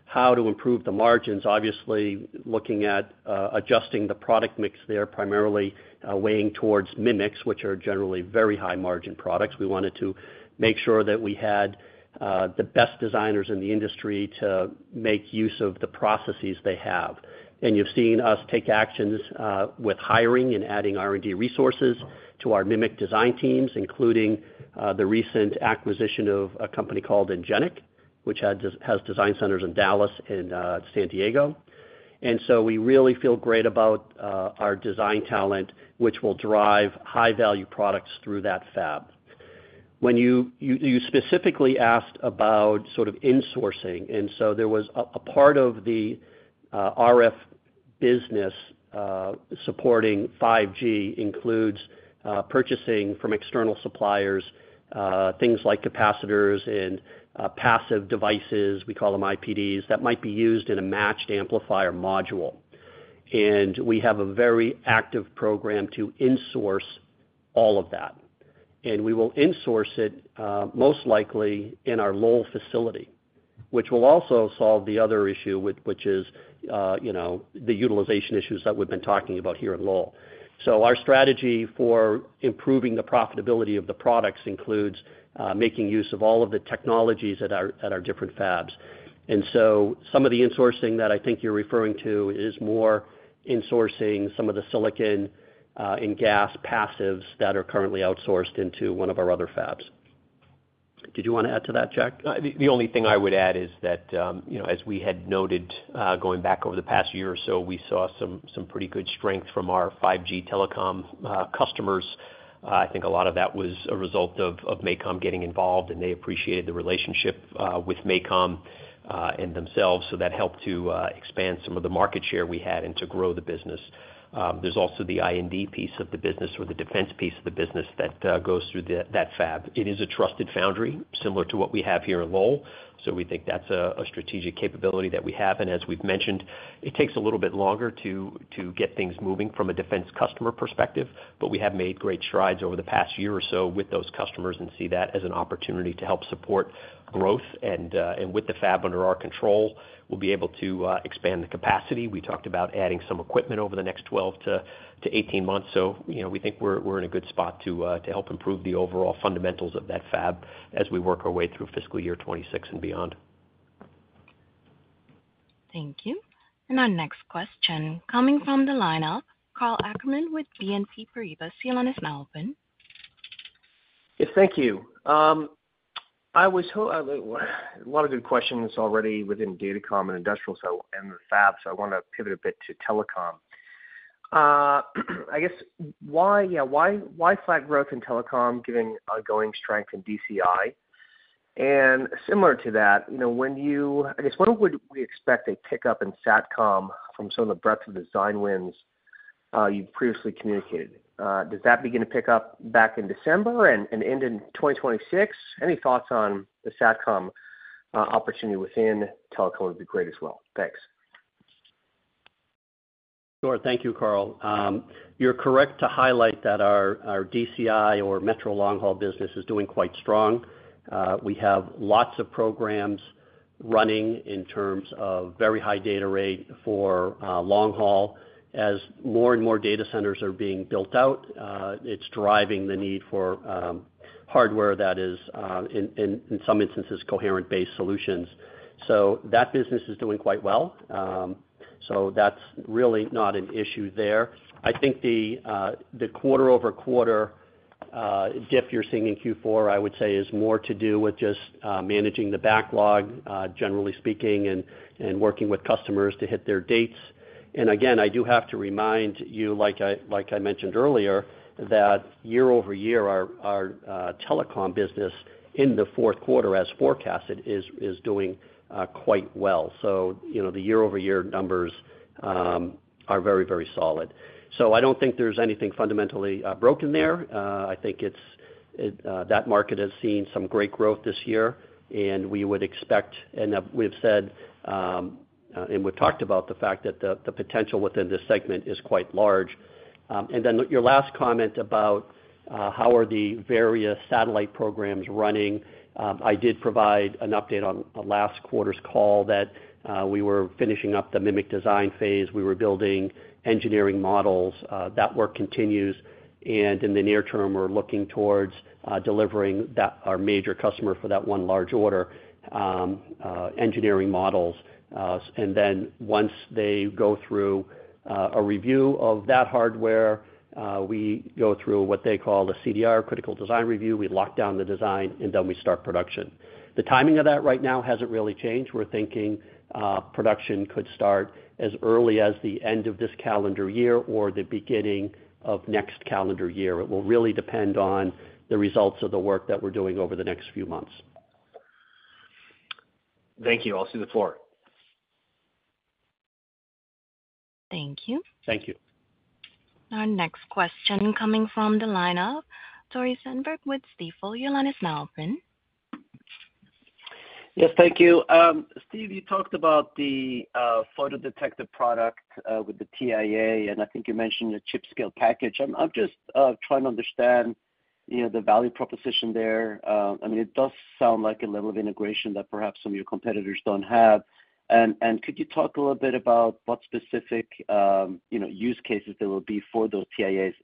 how to improve the margins, obviously, looking at adjusting the product mix there, primarily weighing towards MMICs, which are generally very high-margin products. We wanted to make sure that we had the best designers in the industry to make use of the processes they have. You've seen us take actions with hiring and adding R&D resources to our MMIC design teams, including the recent acquisition of a company called Ingenic, which has design centers in Dallas and San Diego. We really feel great about our design talent, which will drive high-value products through that fab. When you specifically asked about sort of insourcing, there was a part of the RF business supporting 5G that includes purchasing from external suppliers, things like capacitors and passive devices, we call them IPDs, that might be used in a matched amplifier module. We have a very active program to insource all of that. We will insource it most likely in our Lowell facility, which will also solve the other issue, which is the utilization issues that we've been talking about here in Lowell. Our strategy for improving the profitability of the products includes making use of all of the technologies at our different fabs. Some of the insourcing that I think you're referring to is more insourcing some of the silicon and GaAs passives that are currently outsourced into one of our other fabs. Did you want to add to that, Jack? The only thing I would add is that, as we had noted going back over the past year or so, we saw some pretty good strength from our 5G telecom customers. I think a lot of that was a result of MACOM getting involved, and they appreciated the relationship with MACOM and themselves. That helped to expand some of the market share we had and to grow the business. There's also the I&D piece of the business or the defense piece of the business that goes through that fab. It is a trusted foundry, similar to what we have here in Lowell. We think that's a strategic capability that we have. As we've mentioned, it takes a little bit longer to get things moving from a defense customer perspective. We have made great strides over the past year or so with those customers and see that as an opportunity to help support growth. With the fab under our control, we'll be able to expand the capacity. We talked about adding some equipment over the next 12-18 months. We think we're in a good spot to help improve the overall fundamentals of that fab as we work our way through fiscal year 2026 and beyond. Thank you. Our next question is coming from the line of Karl Ackerman with BNP Paribas. The line is now open. Yes, thank you. I have a lot of good questions already within data comm and industrial and the fab. I want to pivot a bit to telecom. I guess, why flat growth in telecom given ongoing strength in DCI? Similar to that, when would we expect a pickup in SATCOM from some of the breadth of design wins you've previously communicated? Does that begin to pick up back in December and end in 2026? Any thoughts on the SATCOM opportunity within telecom would be great as well. Thanks. Sure. Thank you, Karl. You're correct to highlight that our DCI or metro long-haul business is doing quite strong. We have lots of programs running in terms of very high data rate for long-haul. As more and more data centers are being built out, it's driving the need for hardware that is, in some instances, coherent-based solutions. That business is doing quite well. That's really not an issue there. I think the quarter-over-quarter dip you're seeing in Q4, I would say, is more to do with just managing the backlog, generally speaking, and working with customers to hit their dates. I do have to remind you, like I mentioned earlier, that year-over-year, our telecom business in the fourth quarter, as forecasted, is doing quite well. The year-over-year numbers are very, very solid. I don't think there's anything fundamentally broken there. I think that market has seen some great growth this year. We would expect, and we've said, and we've talked about the fact that the potential within this segment is quite large. Your last comment about how the various satellite programs are running. I did provide an update on last quarter's call that we were finishing up the MMIC design phase. We were building engineering models. That work continues. In the near term, we're looking towards delivering our major customer for that one large order, engineering models. Once they go through a review of that hardware, we go through what they call a CDR, critical design review. We lock down the design, and then we start production. The timing of that right now hasn't really changed. We're thinking production could start as early as the end of this calendar year or the beginning of next calendar year. It will really depend on the results of the work that we're doing over the next few months. Thank you. I'll cede the floor. Thank you. Thank you. Our next question coming from the line of Tore Svanberg with Stifel. Your line is now open. Yes, thank you. Steve, you talked about the photodetector product with the TIA, and I think you mentioned your chip scale package. I'm just trying to understand the value proposition there. It does sound like a level of integration that perhaps some of your competitors don't have. Could you talk a little bit about what specific use cases there will be for those TIAs?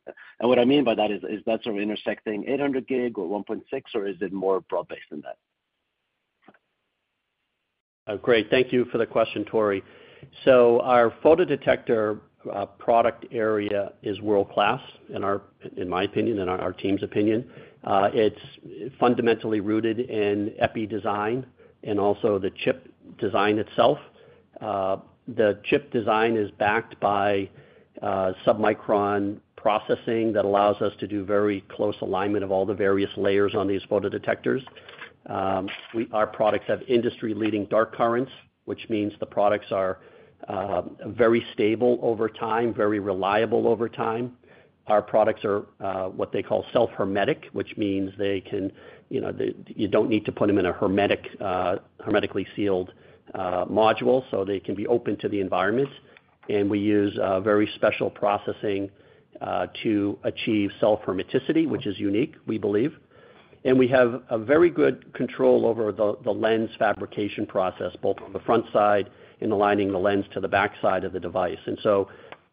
What I mean by that is, is that sort of intersecting 800G or 1.6T, or is it more broad-based than that? Oh, great. Thank you for the question, Tori. Our photodetector product area is world-class, in my opinion, in our team's opinion. It's fundamentally rooted in epi design and also the chip design itself. The chip design is backed by submicron processing that allows us to do very close alignment of all the various layers on these photodetectors. Our products have industry-leading dark currents, which means the products are very stable over time, very reliable over time. Our products are what they call self-hermetic, which means you don't need to put them in a hermetically sealed module, so they can be open to the environment. We use very special processing to achieve self-hermeticity, which is unique, we believe. We have a very good control over the lens fabrication process, both on the front side and aligning the lens to the backside of the device.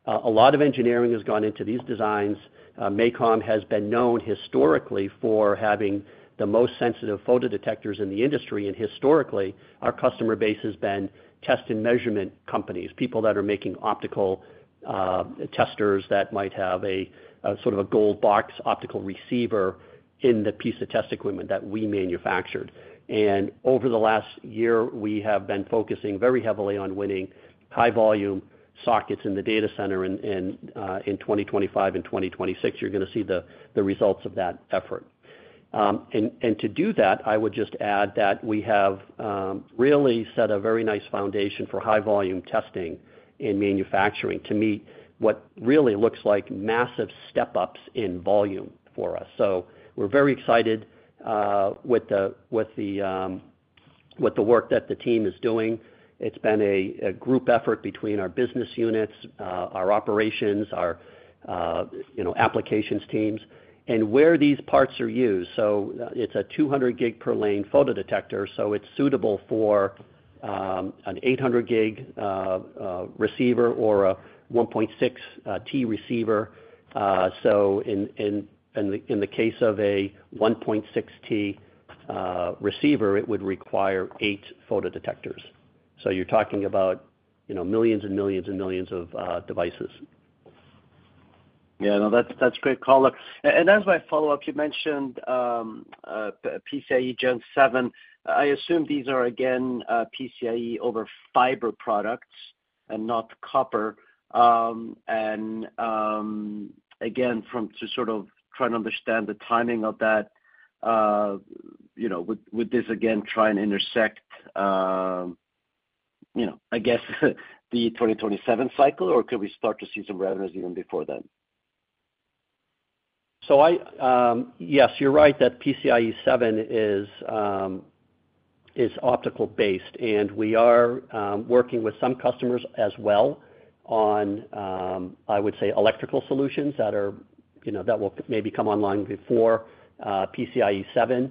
A lot of engineering has gone into these designs. MACOM Technology Solutions Holdings Inc. has been known historically for having the most sensitive photodetectors in the industry. Historically, our customer base has been test and measurement companies, people that are making optical testers that might have a sort of a gold box optical receiver in the piece of test equipment that we manufactured. Over the last year, we have been focusing very heavily on winning high-volume sockets in the data center. In 2025 and 2026, you're going to see the results of that effort. To do that, I would just add that we have really set a very nice foundation for high-volume testing in manufacturing to meet what really looks like massive step-ups in volume for us. We're very excited with the work that the team is doing. It's been a group effort between our business units, our operations, our applications teams, and where these parts are used. It's a 200G per lane photodetector, so it's suitable for an 800G receiver or a 1.6T receiver. In the case of a 1.6T receiver, it would require eight photodetectors. You're talking about millions and millions and millions of devices. Yeah, no, that's a great call. As my follow-up, you mentioned PCIe 7.0. I assume these are, again, PCIe over fiber products and not copper. To sort of try and understand the timing of that, would this again try and intersect, I guess, the 2027 cycle, or could we start to see some revenues even before then? Yes, you're right that PCIe 7 is optical-based. We are working with some customers as well on, I would say, electrical solutions that will maybe come online before PCIe 7.0.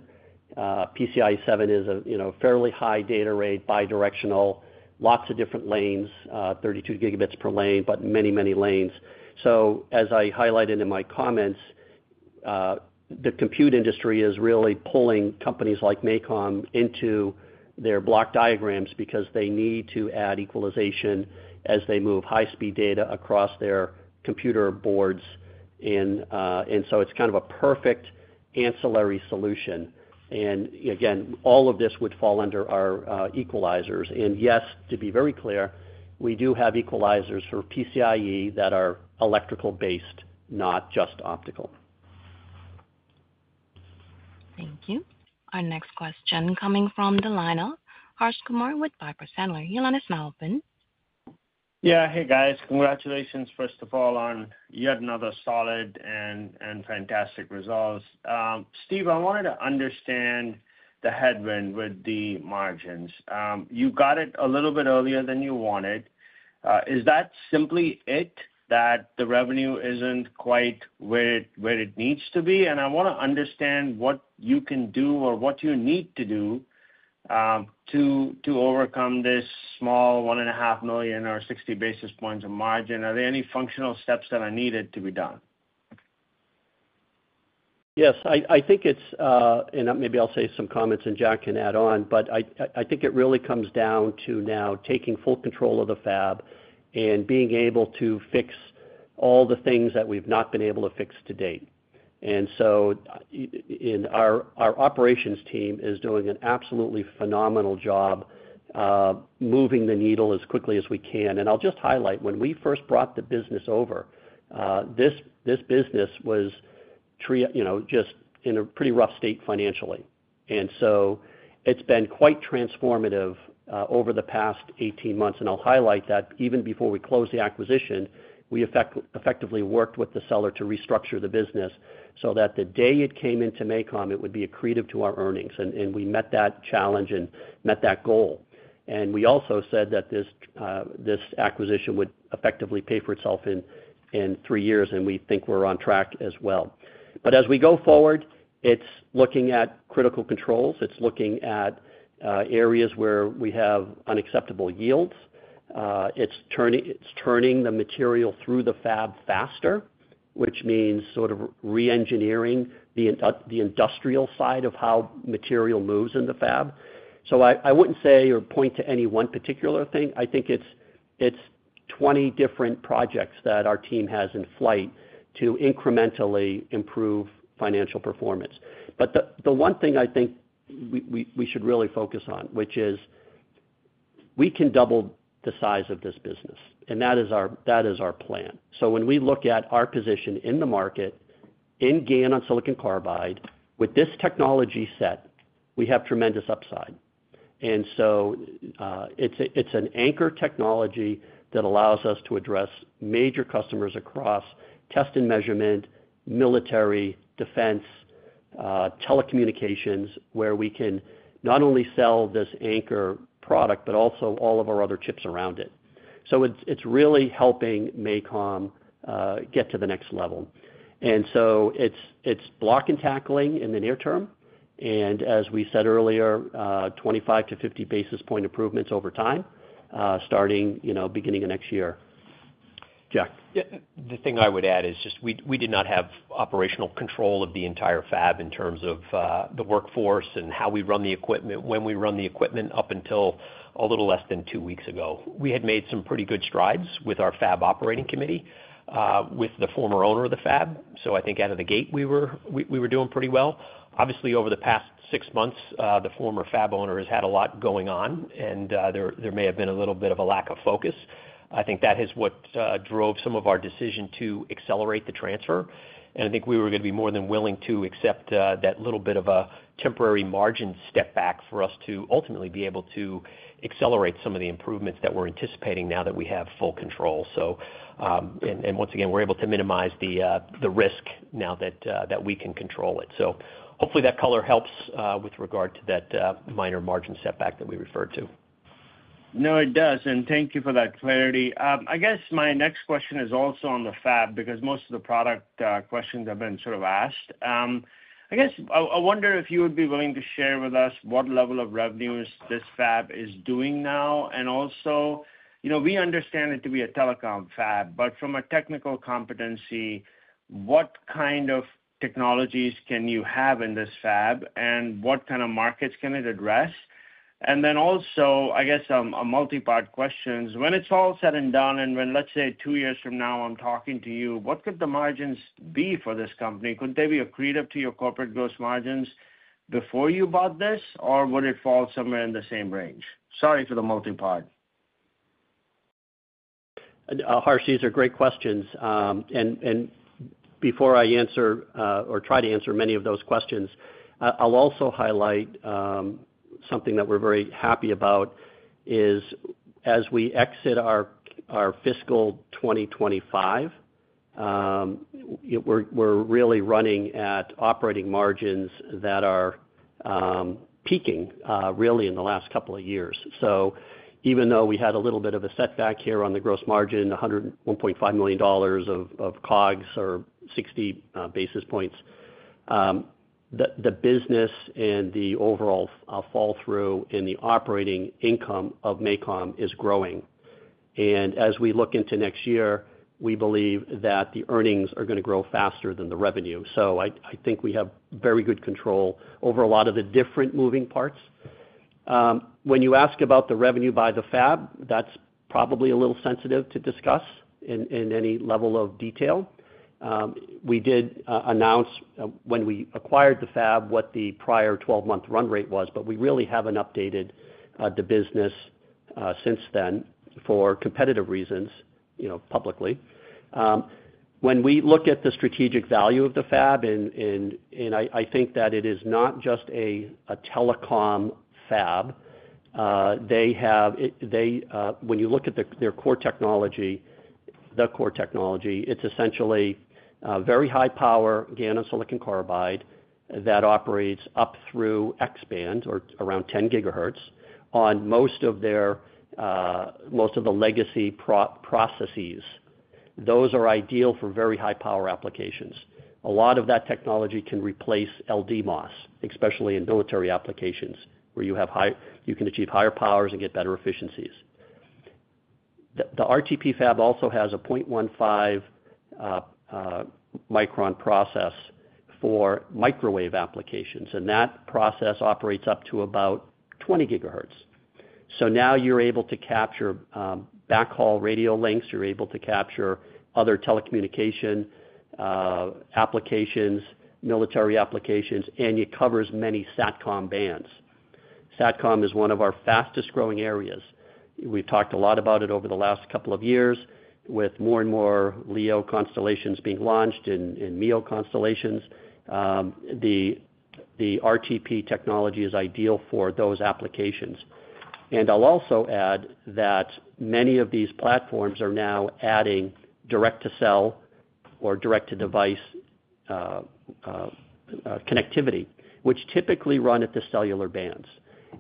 PCIe 7.0 is a fairly high data rate, bi-directional, lots of different lanes, 32 Gb per lane, but many, many lanes. As I highlighted in my comments, the compute industry is really pulling companies like MACOM into their block diagrams because they need to add equalization as they move high-speed data across their computer boards. It's kind of a perfect ancillary solution. Again, all of this would fall under our equalizers. Yes, to be very clear, we do have equalizers for PCIe that are electrical-based, not just optical. Thank you. Our next question coming from the line of Harsh Kumar with Piper Sandler. Your line is now open. Yeah, hey, guys. Congratulations, first of all, on yet another solid and fantastic result. Steve, I wanted to understand the headwind with the margins. You got it a little bit earlier than you wanted. Is that simply it, that the revenue isn't quite where it needs to be? I want to understand what you can do or what you need to do to overcome this small $1.5 million or 60 basis points of margin. Are there any functional steps that are needed to be done? Yes, I think it's, and maybe I'll say some comments and Jack can add on, but I think it really comes down to now taking full control of the fab and being able to fix all the things that we've not been able to fix to date. Our operations team is doing an absolutely phenomenal job moving the needle as quickly as we can. I'll just highlight, when we first brought the business over, this business was just in a pretty rough state financially. It's been quite transformative over the past 18 months. I'll highlight that even before we closed the acquisition, we effectively worked with the seller to restructure the business so that the day it came into MACOM, it would be accretive to our earnings. We met that challenge and met that goal. We also said that this acquisition would effectively pay for itself in three years, and we think we're on track as well. As we go forward, it's looking at critical controls. It's looking at areas where we have unacceptable yields. It's turning the material through the fab faster, which means sort of re-engineering the industrial side of how material moves in the fab. I wouldn't say or point to any one particular thing. I think it's 20 different projects that our team has in flight to incrementally improve financial performance. The one thing I think we should really focus on, which is we can double the size of this business. That is our plan. When we look at our position in the market in GaN on silicon carbide, with this technology set, we have tremendous upside. It's an anchor technology that allows us to address major customers across test and measurement, military, defense, telecommunications, where we can not only sell this anchor product, but also all of our other chips around it. It's really helping MACOM get to the next level. It's block and tackling in the near term. As we said earlier, 25-50 basis point improvements over time, starting beginning of next year. Jack. The thing I would add is just we did not have operational control of the entire fab in terms of the workforce and how we run the equipment, when we run the equipment up until a little less than two weeks ago. We had made some pretty good strides with our fab operating committee, with the former owner of the fab. I think out of the gate, we were doing pretty well. Obviously, over the past six months, the former fab owner has had a lot going on, and there may have been a little bit of a lack of focus. I think that is what drove some of our decision to accelerate the transfer. I think we were going to be more than willing to accept that little bit of a temporary margin step back for us to ultimately be able to accelerate some of the improvements that we're anticipating now that we have full control. Once again, we're able to minimize the risk now that we can control it. Hopefully, that color helps with regard to that minor margin setback that we referred to. No, it does. Thank you for that clarity. I guess my next question is also on the fab because most of the product questions have been sort of asked. I wonder if you would be willing to share with us what level of revenues this fab is doing now. We understand it to be a telecom fab, but from a technical competency, what kind of technologies can you have in this fab and what kind of markets can it address? I guess a multi-part question. When it's all said and done, and when let's say two years from now I'm talking to you, what could the margins be for this company? Could they be accretive to your corporate gross margins before you bought this, or would it fall somewhere in the same range? Sorry for the multi-part. Harsh, these are great questions. Before I answer or try to answer many of those questions, I'll also highlight something that we're very happy about. As we exit our fiscal 2025, we're really running at operating margins that are peaking, really, in the last couple of years. Even though we had a little bit of a setback here on the gross margin, $1.5 million of COGS or 60 basis points, the business and the overall fall-through in the operating income of MACOM is growing. As we look into next year, we believe that the earnings are going to grow faster than the revenue. I think we have very good control over a lot of the different moving parts. When you ask about the revenue by the fab, that's probably a little sensitive to discuss in any level of detail. We did announce when we acquired the fab what the prior 12-month run rate was, but we really haven't updated the business since then for competitive reasons, publicly. When we look at the strategic value of the fab, I think that it is not just a telecom fab. When you look at their core technology, the core technology is essentially very high-power GaN on silicon carbide that operates up through X band or around 10 GHz on most of the legacy processes. Those are ideal for very high-power applications. A lot of that technology can replace LDMOS, especially in military applications where you can achieve higher powers and get better efficiencies. The RTP fab also has a 0.15 micron process for microwave applications, and that process operates up to about 20 GHz. Now you're able to capture backhaul radio links, other telecommunication applications, military applications, and it covers many satcom bands. Satcom is one of our fastest growing areas. We've talked a lot about it over the last couple of years with more and more LEO constellations being launched and MEO constellations. The RTP technology is ideal for those applications. I'll also add that many of these platforms are now adding direct-to-cell or direct-to-device connectivity, which typically run at the cellular bands.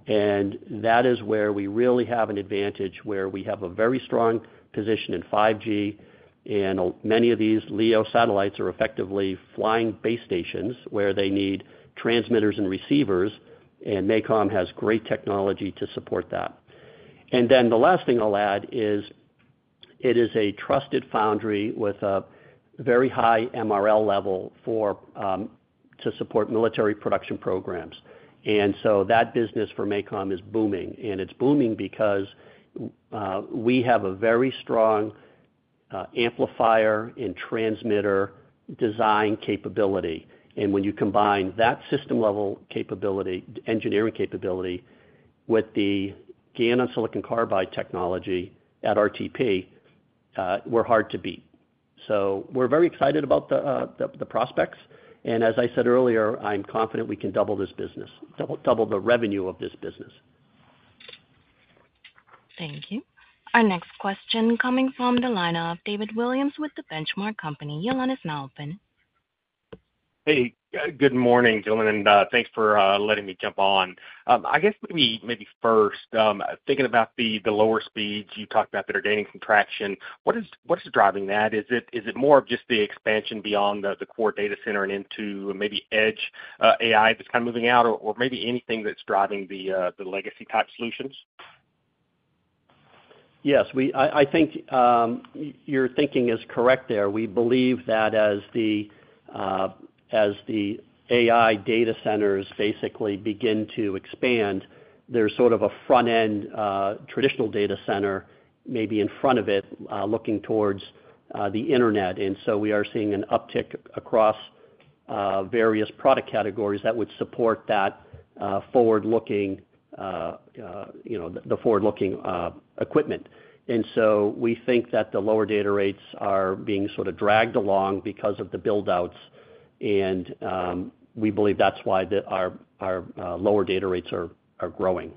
That is where we really have an advantage, where we have a very strong position in 5G. Many of these LEO satellites are effectively flying base stations where they need transmitters and receivers, and MACOM has great technology to support that. The last thing I'll add is it is a trusted foundry with a very high MRL level to support military production programs. That business for MACOM is booming. It's booming because we have a very strong amplifier and transmitter design capability. When you combine that system-level engineering capability with the GaN on silicon carbide technology at RTP, we're hard to beat. We're very excited about the prospects. As I said earlier, I'm confident we can double this business, double the revenue of this business. Thank you. Our next question coming from the line of David Williams with The Benchmark Company. Your line is now open. Hey, good morning, Dylan. Thanks for letting me jump on. I guess maybe first, thinking about the lower speeds you talked about that are gaining some traction, what is driving that? Is it more of just the expansion beyond the core data center and into maybe edge AI that's kind of moving out, or maybe anything that's driving the legacy type solutions? Yes, I think your thinking is correct there. We believe that as the AI data centers basically begin to expand, there's sort of a front-end traditional data center maybe in front of it looking towards the internet. We are seeing an uptick across various product categories that would support that forward-looking, the forward-looking equipment. We think that the lower data rates are being sort of dragged along because of the buildouts, and we believe that's why our lower data rates are growing.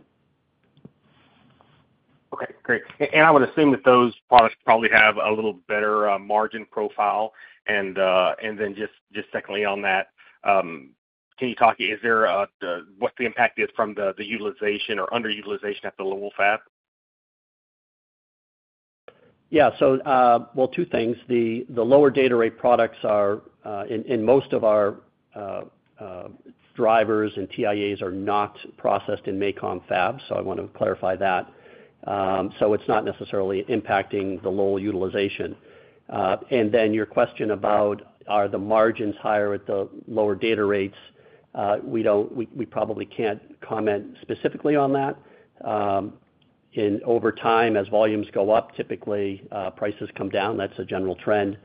Okay, great. I would assume that those products probably have a little better margin profile. Secondly on that, can you talk, is there what the impact is from the utilization or underutilization at the lower fab? Two things. The lower data rate products are in most of our drivers and TIAs are not processed in MACOM fabs. I want to clarify that. It's not necessarily impacting the low utilization. Your question about are the margins higher at the lower data rates, we probably can't comment specifically on that. Over time, as volumes go up, typically prices come down. That's a general trend.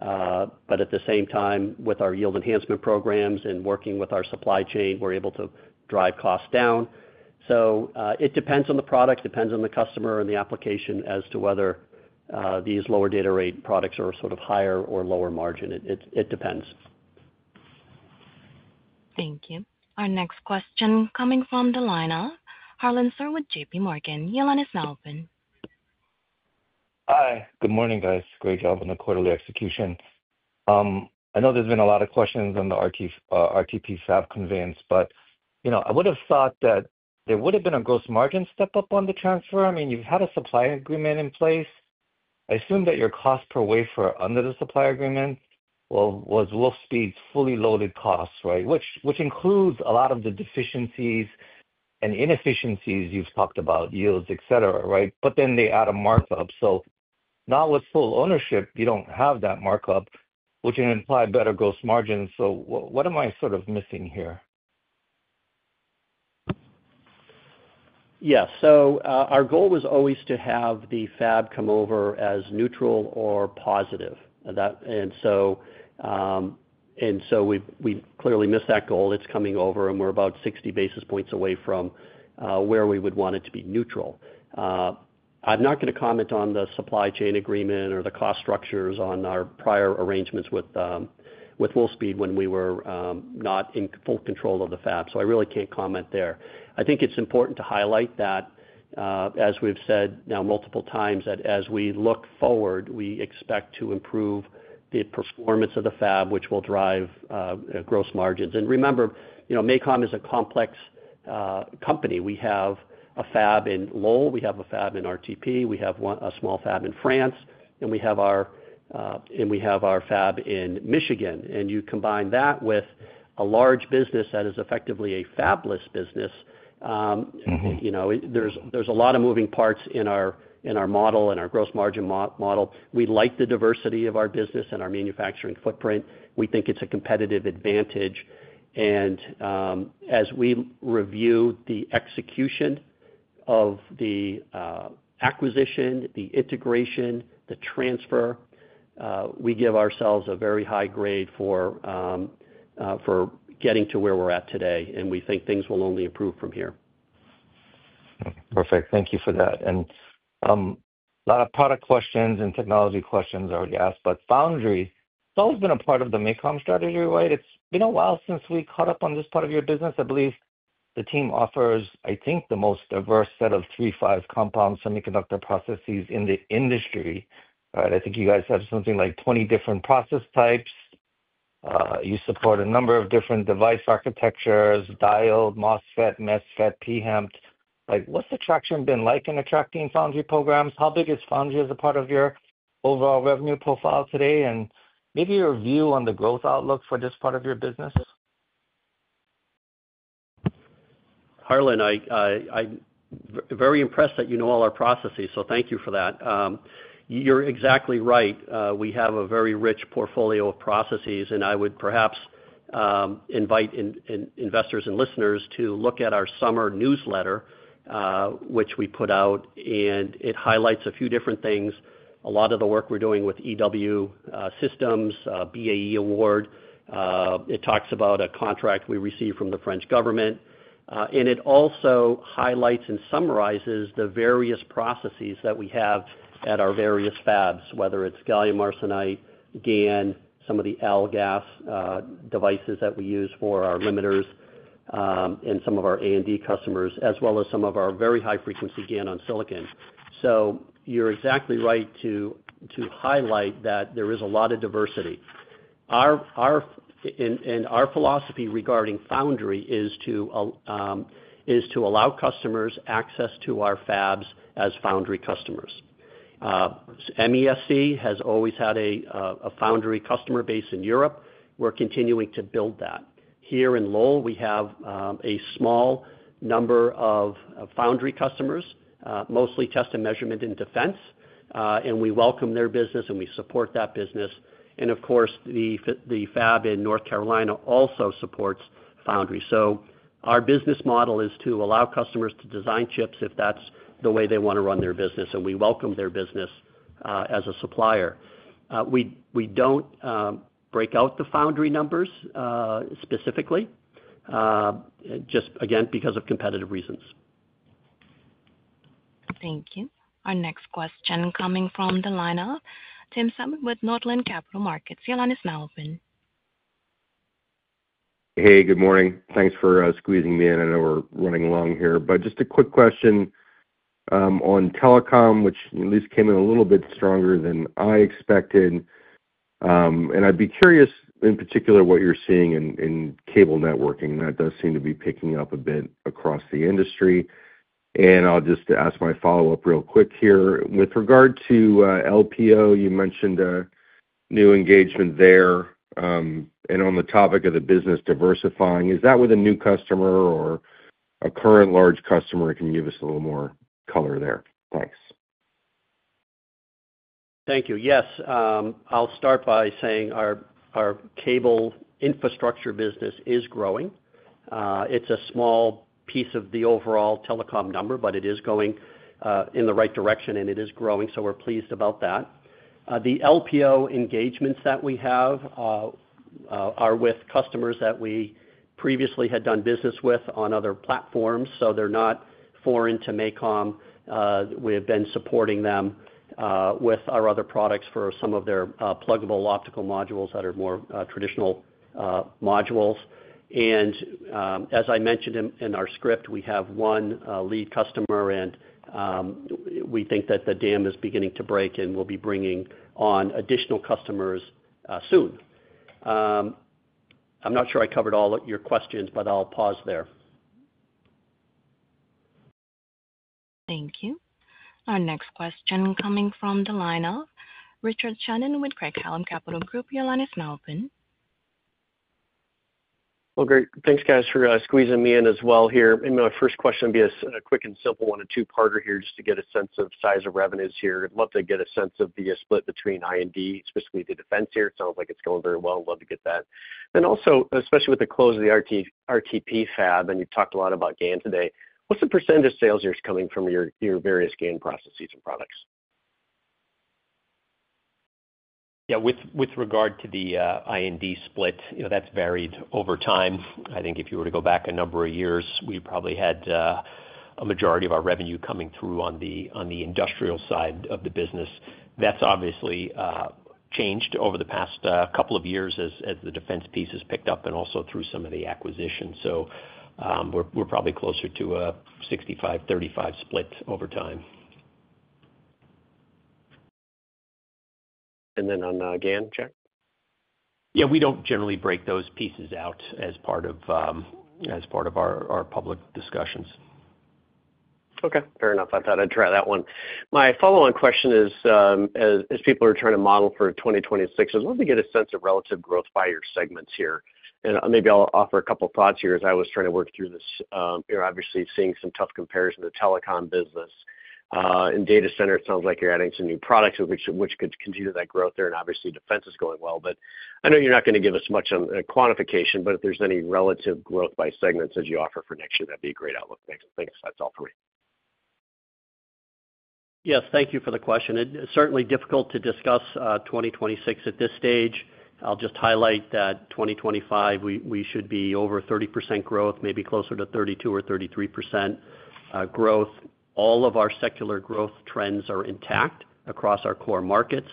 At the same time, with our yield enhancement programs and working with our supply chain, we're able to drive costs down. It depends on the product, depends on the customer and the application as to whether these lower data rate products are sort of higher or lower margin. It depends. Thank you. Our next question coming from the line of Harlan Sur with JPMorgan. Your line is now open. Hi. Good morning, guys. Great job in the quarterly execution. I know there's been a lot of questions on the RTP staff conveyance, but you know, I would have thought that there would have been a gross margin step up on the transfer. I mean, you've had a supply agreement in place. I assume that your cost per wafer under the supply agreement was Wolfspeed's fully loaded costs, right? Which includes a lot of the deficiencies and inefficiencies you've talked about, yields, etc, right? They add a markup. Now with full ownership, you don't have that markup, which can imply better gross margins. What am I sort of missing here? Yeah, our goal was always to have the fab come over as neutral or positive. We clearly missed that goal. It's coming over and we're about 60 basis points away from where we would want it to be neutral. I'm not going to comment on the supply chain agreement or the cost structures on our prior arrangements with Wolfspeed when we were not in full control of the fab. I really can't comment there. I think it's important to highlight that, as we've said now multiple times, as we look forward, we expect to improve the performance of the fab, which will drive gross margins. Remember, MACOM is a complex company. We have a fab in Lowell, we have a fab in RTP, we have a small fab in France, and we have our fab in Michigan. You combine that with a large business that is effectively a fabless business. There's a lot of moving parts in our model and our gross margin model. We like the diversity of our business and our manufacturing footprint. We think it's a competitive advantage. As we review the execution of the acquisition, the integration, the transfer, we give ourselves a very high grade for getting to where we're at today. We think things will only improve from here. Perfect. Thank you for that. A lot of product questions and technology questions are already asked, but boundaries, it's always been a part of the MACOM strategy, right? It's been a while since we caught up on this part of your business. I believe the team offers, I think, the most diverse set of 3.5 compound semiconductor processes in the industry, right? I think you guys have something like 20 different process types. You support a number of different device architectures, dial, MOSFET, MESFET, pHEMT. What's the traction been like in attracting foundry programs? How big is foundry as a part of your overall revenue profile today? Maybe your view on the growth outlook for this part of your business? Harlan, I'm very impressed that you know all our processes, so thank you for that. You're exactly right. We have a very rich portfolio of processes, and I would perhaps invite investors and listeners to look at our summer newsletter, which we put out, and it highlights a few different things. A lot of the work we're doing with EW systems, BAE Award. It talks about a contract we received from the French government, and it also highlights and summarizes the various processes that we have at our various fabs, whether it's gallium arsenide, GaN, some of the Algas devices that we use for our limiters, and some of our I&D customers, as well as some of our very high-frequency GaN on silicon. You're exactly right to highlight that there is a lot of diversity. Our philosophy regarding foundry is to allow customers access to our fabs as foundry customers. MESC has always had a foundry customer base in Europe. We're continuing to build that. Here in Lowell, we have a small number of foundry customers, mostly test and measurement in defense, and we welcome their business and we support that business. Of course, the fab in North Carolina also supports foundry. Our business model is to allow customers to design chips if that's the way they want to run their business, and we welcome their business as a supplier. We don't break out the foundry numbers specifically, just again because of competitive reasons. Thank you. Our next question coming from the lineup. Tim Savageaux with Northland Capital Markets. Your line is now open. Hey, good morning. Thanks for squeezing me in. I know we're running long here, but just a quick question on telecom, which at least came in a little bit stronger than I expected. I'd be curious in particular what you're seeing in cable networking, and that does seem to be picking up a bit across the industry. I'll just ask my follow-up real quick here. With regard to LPO, you mentioned a new engagement there. On the topic of the business diversifying, is that with a new customer or a current large customer? Can you give us a little more color there? Thanks. Thank you. Yes. I'll start by saying our cable infrastructure business is growing. It's a small piece of the overall telecom number, but it is going in the right direction and it is growing. We're pleased about that. The LPO engagements that we have are with customers that we previously had done business with on other platforms, so they're not foreign to MACOM. We have been supporting them with our other products for some of their pluggable optical modules that are more traditional modules. As I mentioned in our script, we have one lead customer and we think that the dam is beginning to break and we'll be bringing on additional customers soon. I'm not sure I covered all your questions, but I'll pause there. Thank you. Our next question coming from the lineup. Richard Shannon with Craig-Hallum Capital Group. Your line is now open. Thanks, guys, for squeezing me in as well here. My first question would be a quick and simple one and two-parter here just to get a sense of size of revenues here. I'd love to get a sense of the split between I&D, especially the defense here. It sounds like it's going very well. I'd love to get that. Also, especially with the close of the RTP wafer fabrication facility, and you've talked a lot about GaN today, what's the percentage of sales here coming from your various GaN processes and products? Yeah, with regard to the I&D split, you know, that's varied over time. I think if you were to go back a number of years, we probably had a majority of our revenue coming through on the industrial side of the business. That's obviously changed over the past couple of years as the defense piece has picked up and also through some of the acquisitions. We're probably closer to a 65%–35% split over time. And then, on GaN, Jack? Yeah, we don't generally break those pieces out as part of our public discussions. Okay, fair enough. I thought I'd try that one. My follow-on question is, as people are trying to model for 2026, I'd love to get a sense of relative growth by your segments here. Maybe I'll offer a couple of thoughts here as I was trying to work through this. You're obviously seeing some tough comparison to the telecom business. In data center, it sounds like you're adding some new products, which could continue that growth there. Obviously, defense is going well. I know you're not going to give us much on a quantification, but if there's any relative growth by segments that you offer for next year, that'd be a great outlook. Thanks. That's all for me. Yes, thank you for the question. It's certainly difficult to discuss 2026 at this stage. I'll just highlight that 2025, we should be over 30% growth, maybe closer to 32 or 33% growth. All of our secular growth trends are intact across our core markets.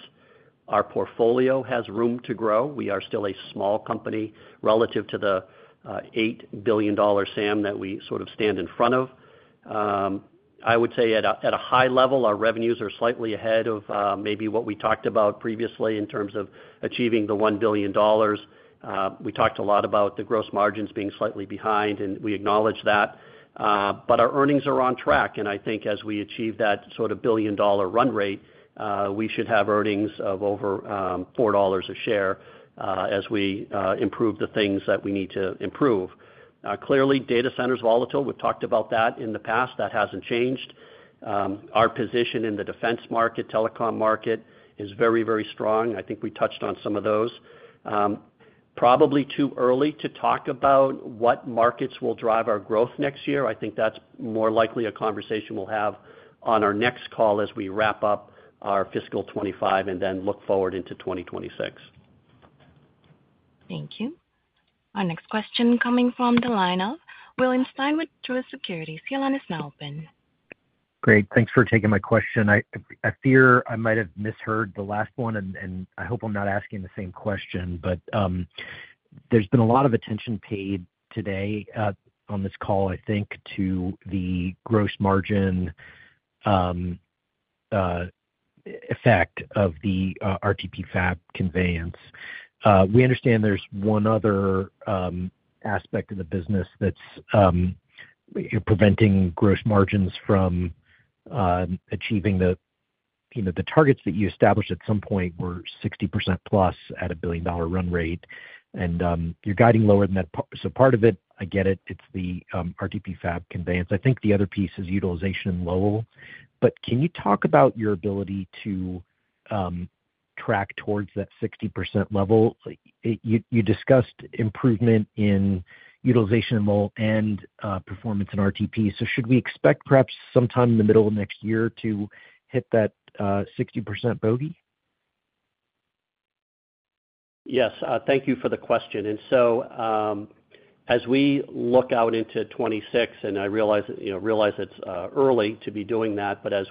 Our portfolio has room to grow. We are still a small company relative to the $8 billion SAM that we sort of stand in front of. I would say at a high level, our revenues are slightly ahead of maybe what we talked about previously in terms of achieving the $1 billion. We talked a lot about the gross margins being slightly behind, and we acknowledge that. Our earnings are on track. I think as we achieve that sort of billion-dollar run rate, we should have earnings of over $4 a share as we improve the things that we need to improve. Clearly, data center is volatile. We've talked about that in the past. That hasn't changed. Our position in the defense market, telecom market is very, very strong. I think we touched on some of those. Probably too early to talk about what markets will drive our growth next year. I think that's more likely a conversation we'll have on our next call as we wrap up our fiscal 2025 and then look forward into 2026. Thank you. Our next question coming from the lineup. William Stein with Truist Securities. Your line is now open. Great. Thanks for taking my question. I fear I might have misheard the last one, and I hope I'm not asking the same question, but there's been a lot of attention paid today, on this call, I think, to the gross margin effect of the RTP fab conveyance. We understand there's one other aspect of the business that's, you know, preventing gross margins from achieving the, you know, the targets that you established at some point were 60%+ at $1 billion dollar run rate. You're guiding lower than that. Part of it, I get it, it's the RTP fab conveyance. I think the other piece is utilization in Lowell. Can you talk about your ability to track towards that 60% level? You discussed improvement in utilization in Lowell and performance in RTP. Should we expect perhaps sometime in the middle of next year to hit that 60% bogey? Yes. Thank you for the question. As we look out into 2026, and I realize it's early to be doing that, but as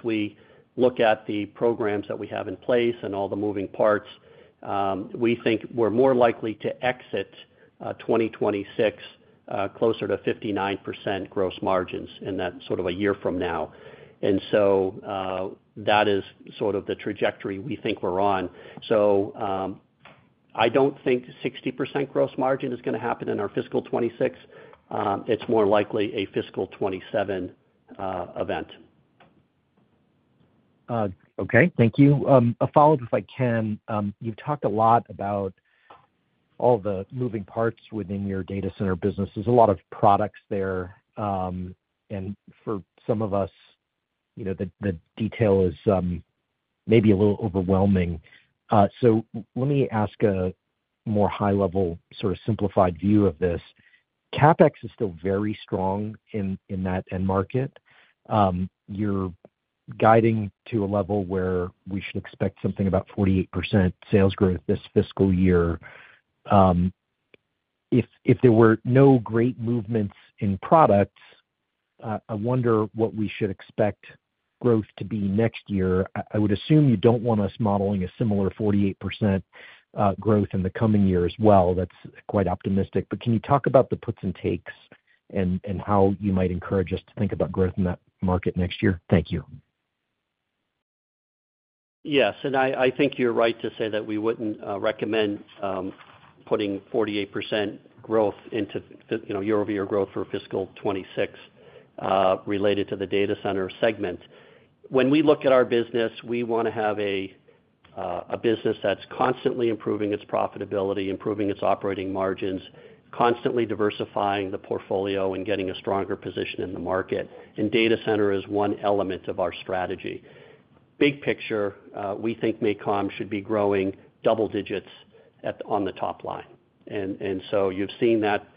we look at the programs that we have in place and all the moving parts, we think we're more likely to exit 2026 closer to 59% gross margins in that sort of a year from now. That is sort of the trajectory we think we're on. I don't think 60% gross margin is going to happen in our fiscal 2026. It's more likely a fiscal 2027 event. Okay. Thank you. A follow-up if I can. You've talked a lot about all the moving parts within your data center business. There's a lot of products there, and for some of us, you know, the detail is maybe a little overwhelming. Let me ask a more high-level sort of simplified view of this. CapEx is still very strong in that end market. You're guiding to a level where we should expect something about 48% sales growth this fiscal year. If there were no great movements in products, I wonder what we should expect growth to be next year. I would assume you don't want us modeling a similar 48% growth in the coming year as well. That's quite optimistic. Can you talk about the puts and takes and how you might encourage us to think about growth in that market next year? Thank you. Yes. I think you're right to say that we wouldn't recommend putting 48% growth into, you know, year-over-year growth for fiscal 2026, related to the data center segment. When we look at our business, we want to have a business that's constantly improving its profitability, improving its operating margins, constantly diversifying the portfolio, and getting a stronger position in the market. Data center is one element of our strategy. Big picture, we think MACOM should be growing double digits on the top line. You've seen that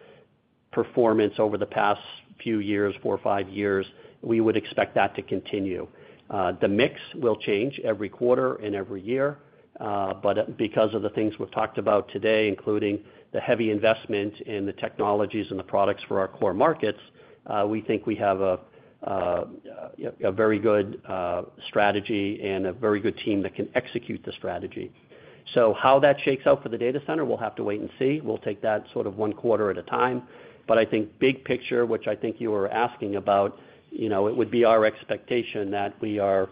performance over the past few years, four or five years, we would expect that to continue. The mix will change every quarter and every year, but because of the things we've talked about today, including the heavy investment in the technologies and the products for our core markets, we think we have a very good strategy and a very good team that can execute the strategy. How that shakes out for the data center, we'll have to wait and see. We'll take that sort of one quarter at a time. I think big picture, which I think you were asking about, it would be our expectation that we are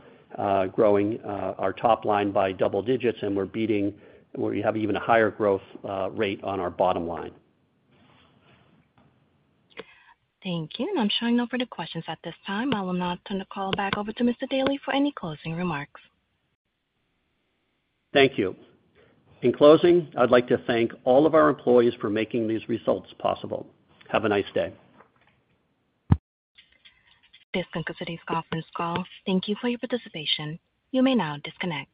growing our top line by double digits, and we have even a higher growth rate on our bottom line. Thank you. I'm showing no further questions at this time. I will now turn the call back over to Mr. Daly for any closing remarks. Thank you. In closing, I'd like to thank all of our employees for making these results possible. Have a nice day. This concludes today's conference call. Thank you for your participation. You may now disconnect.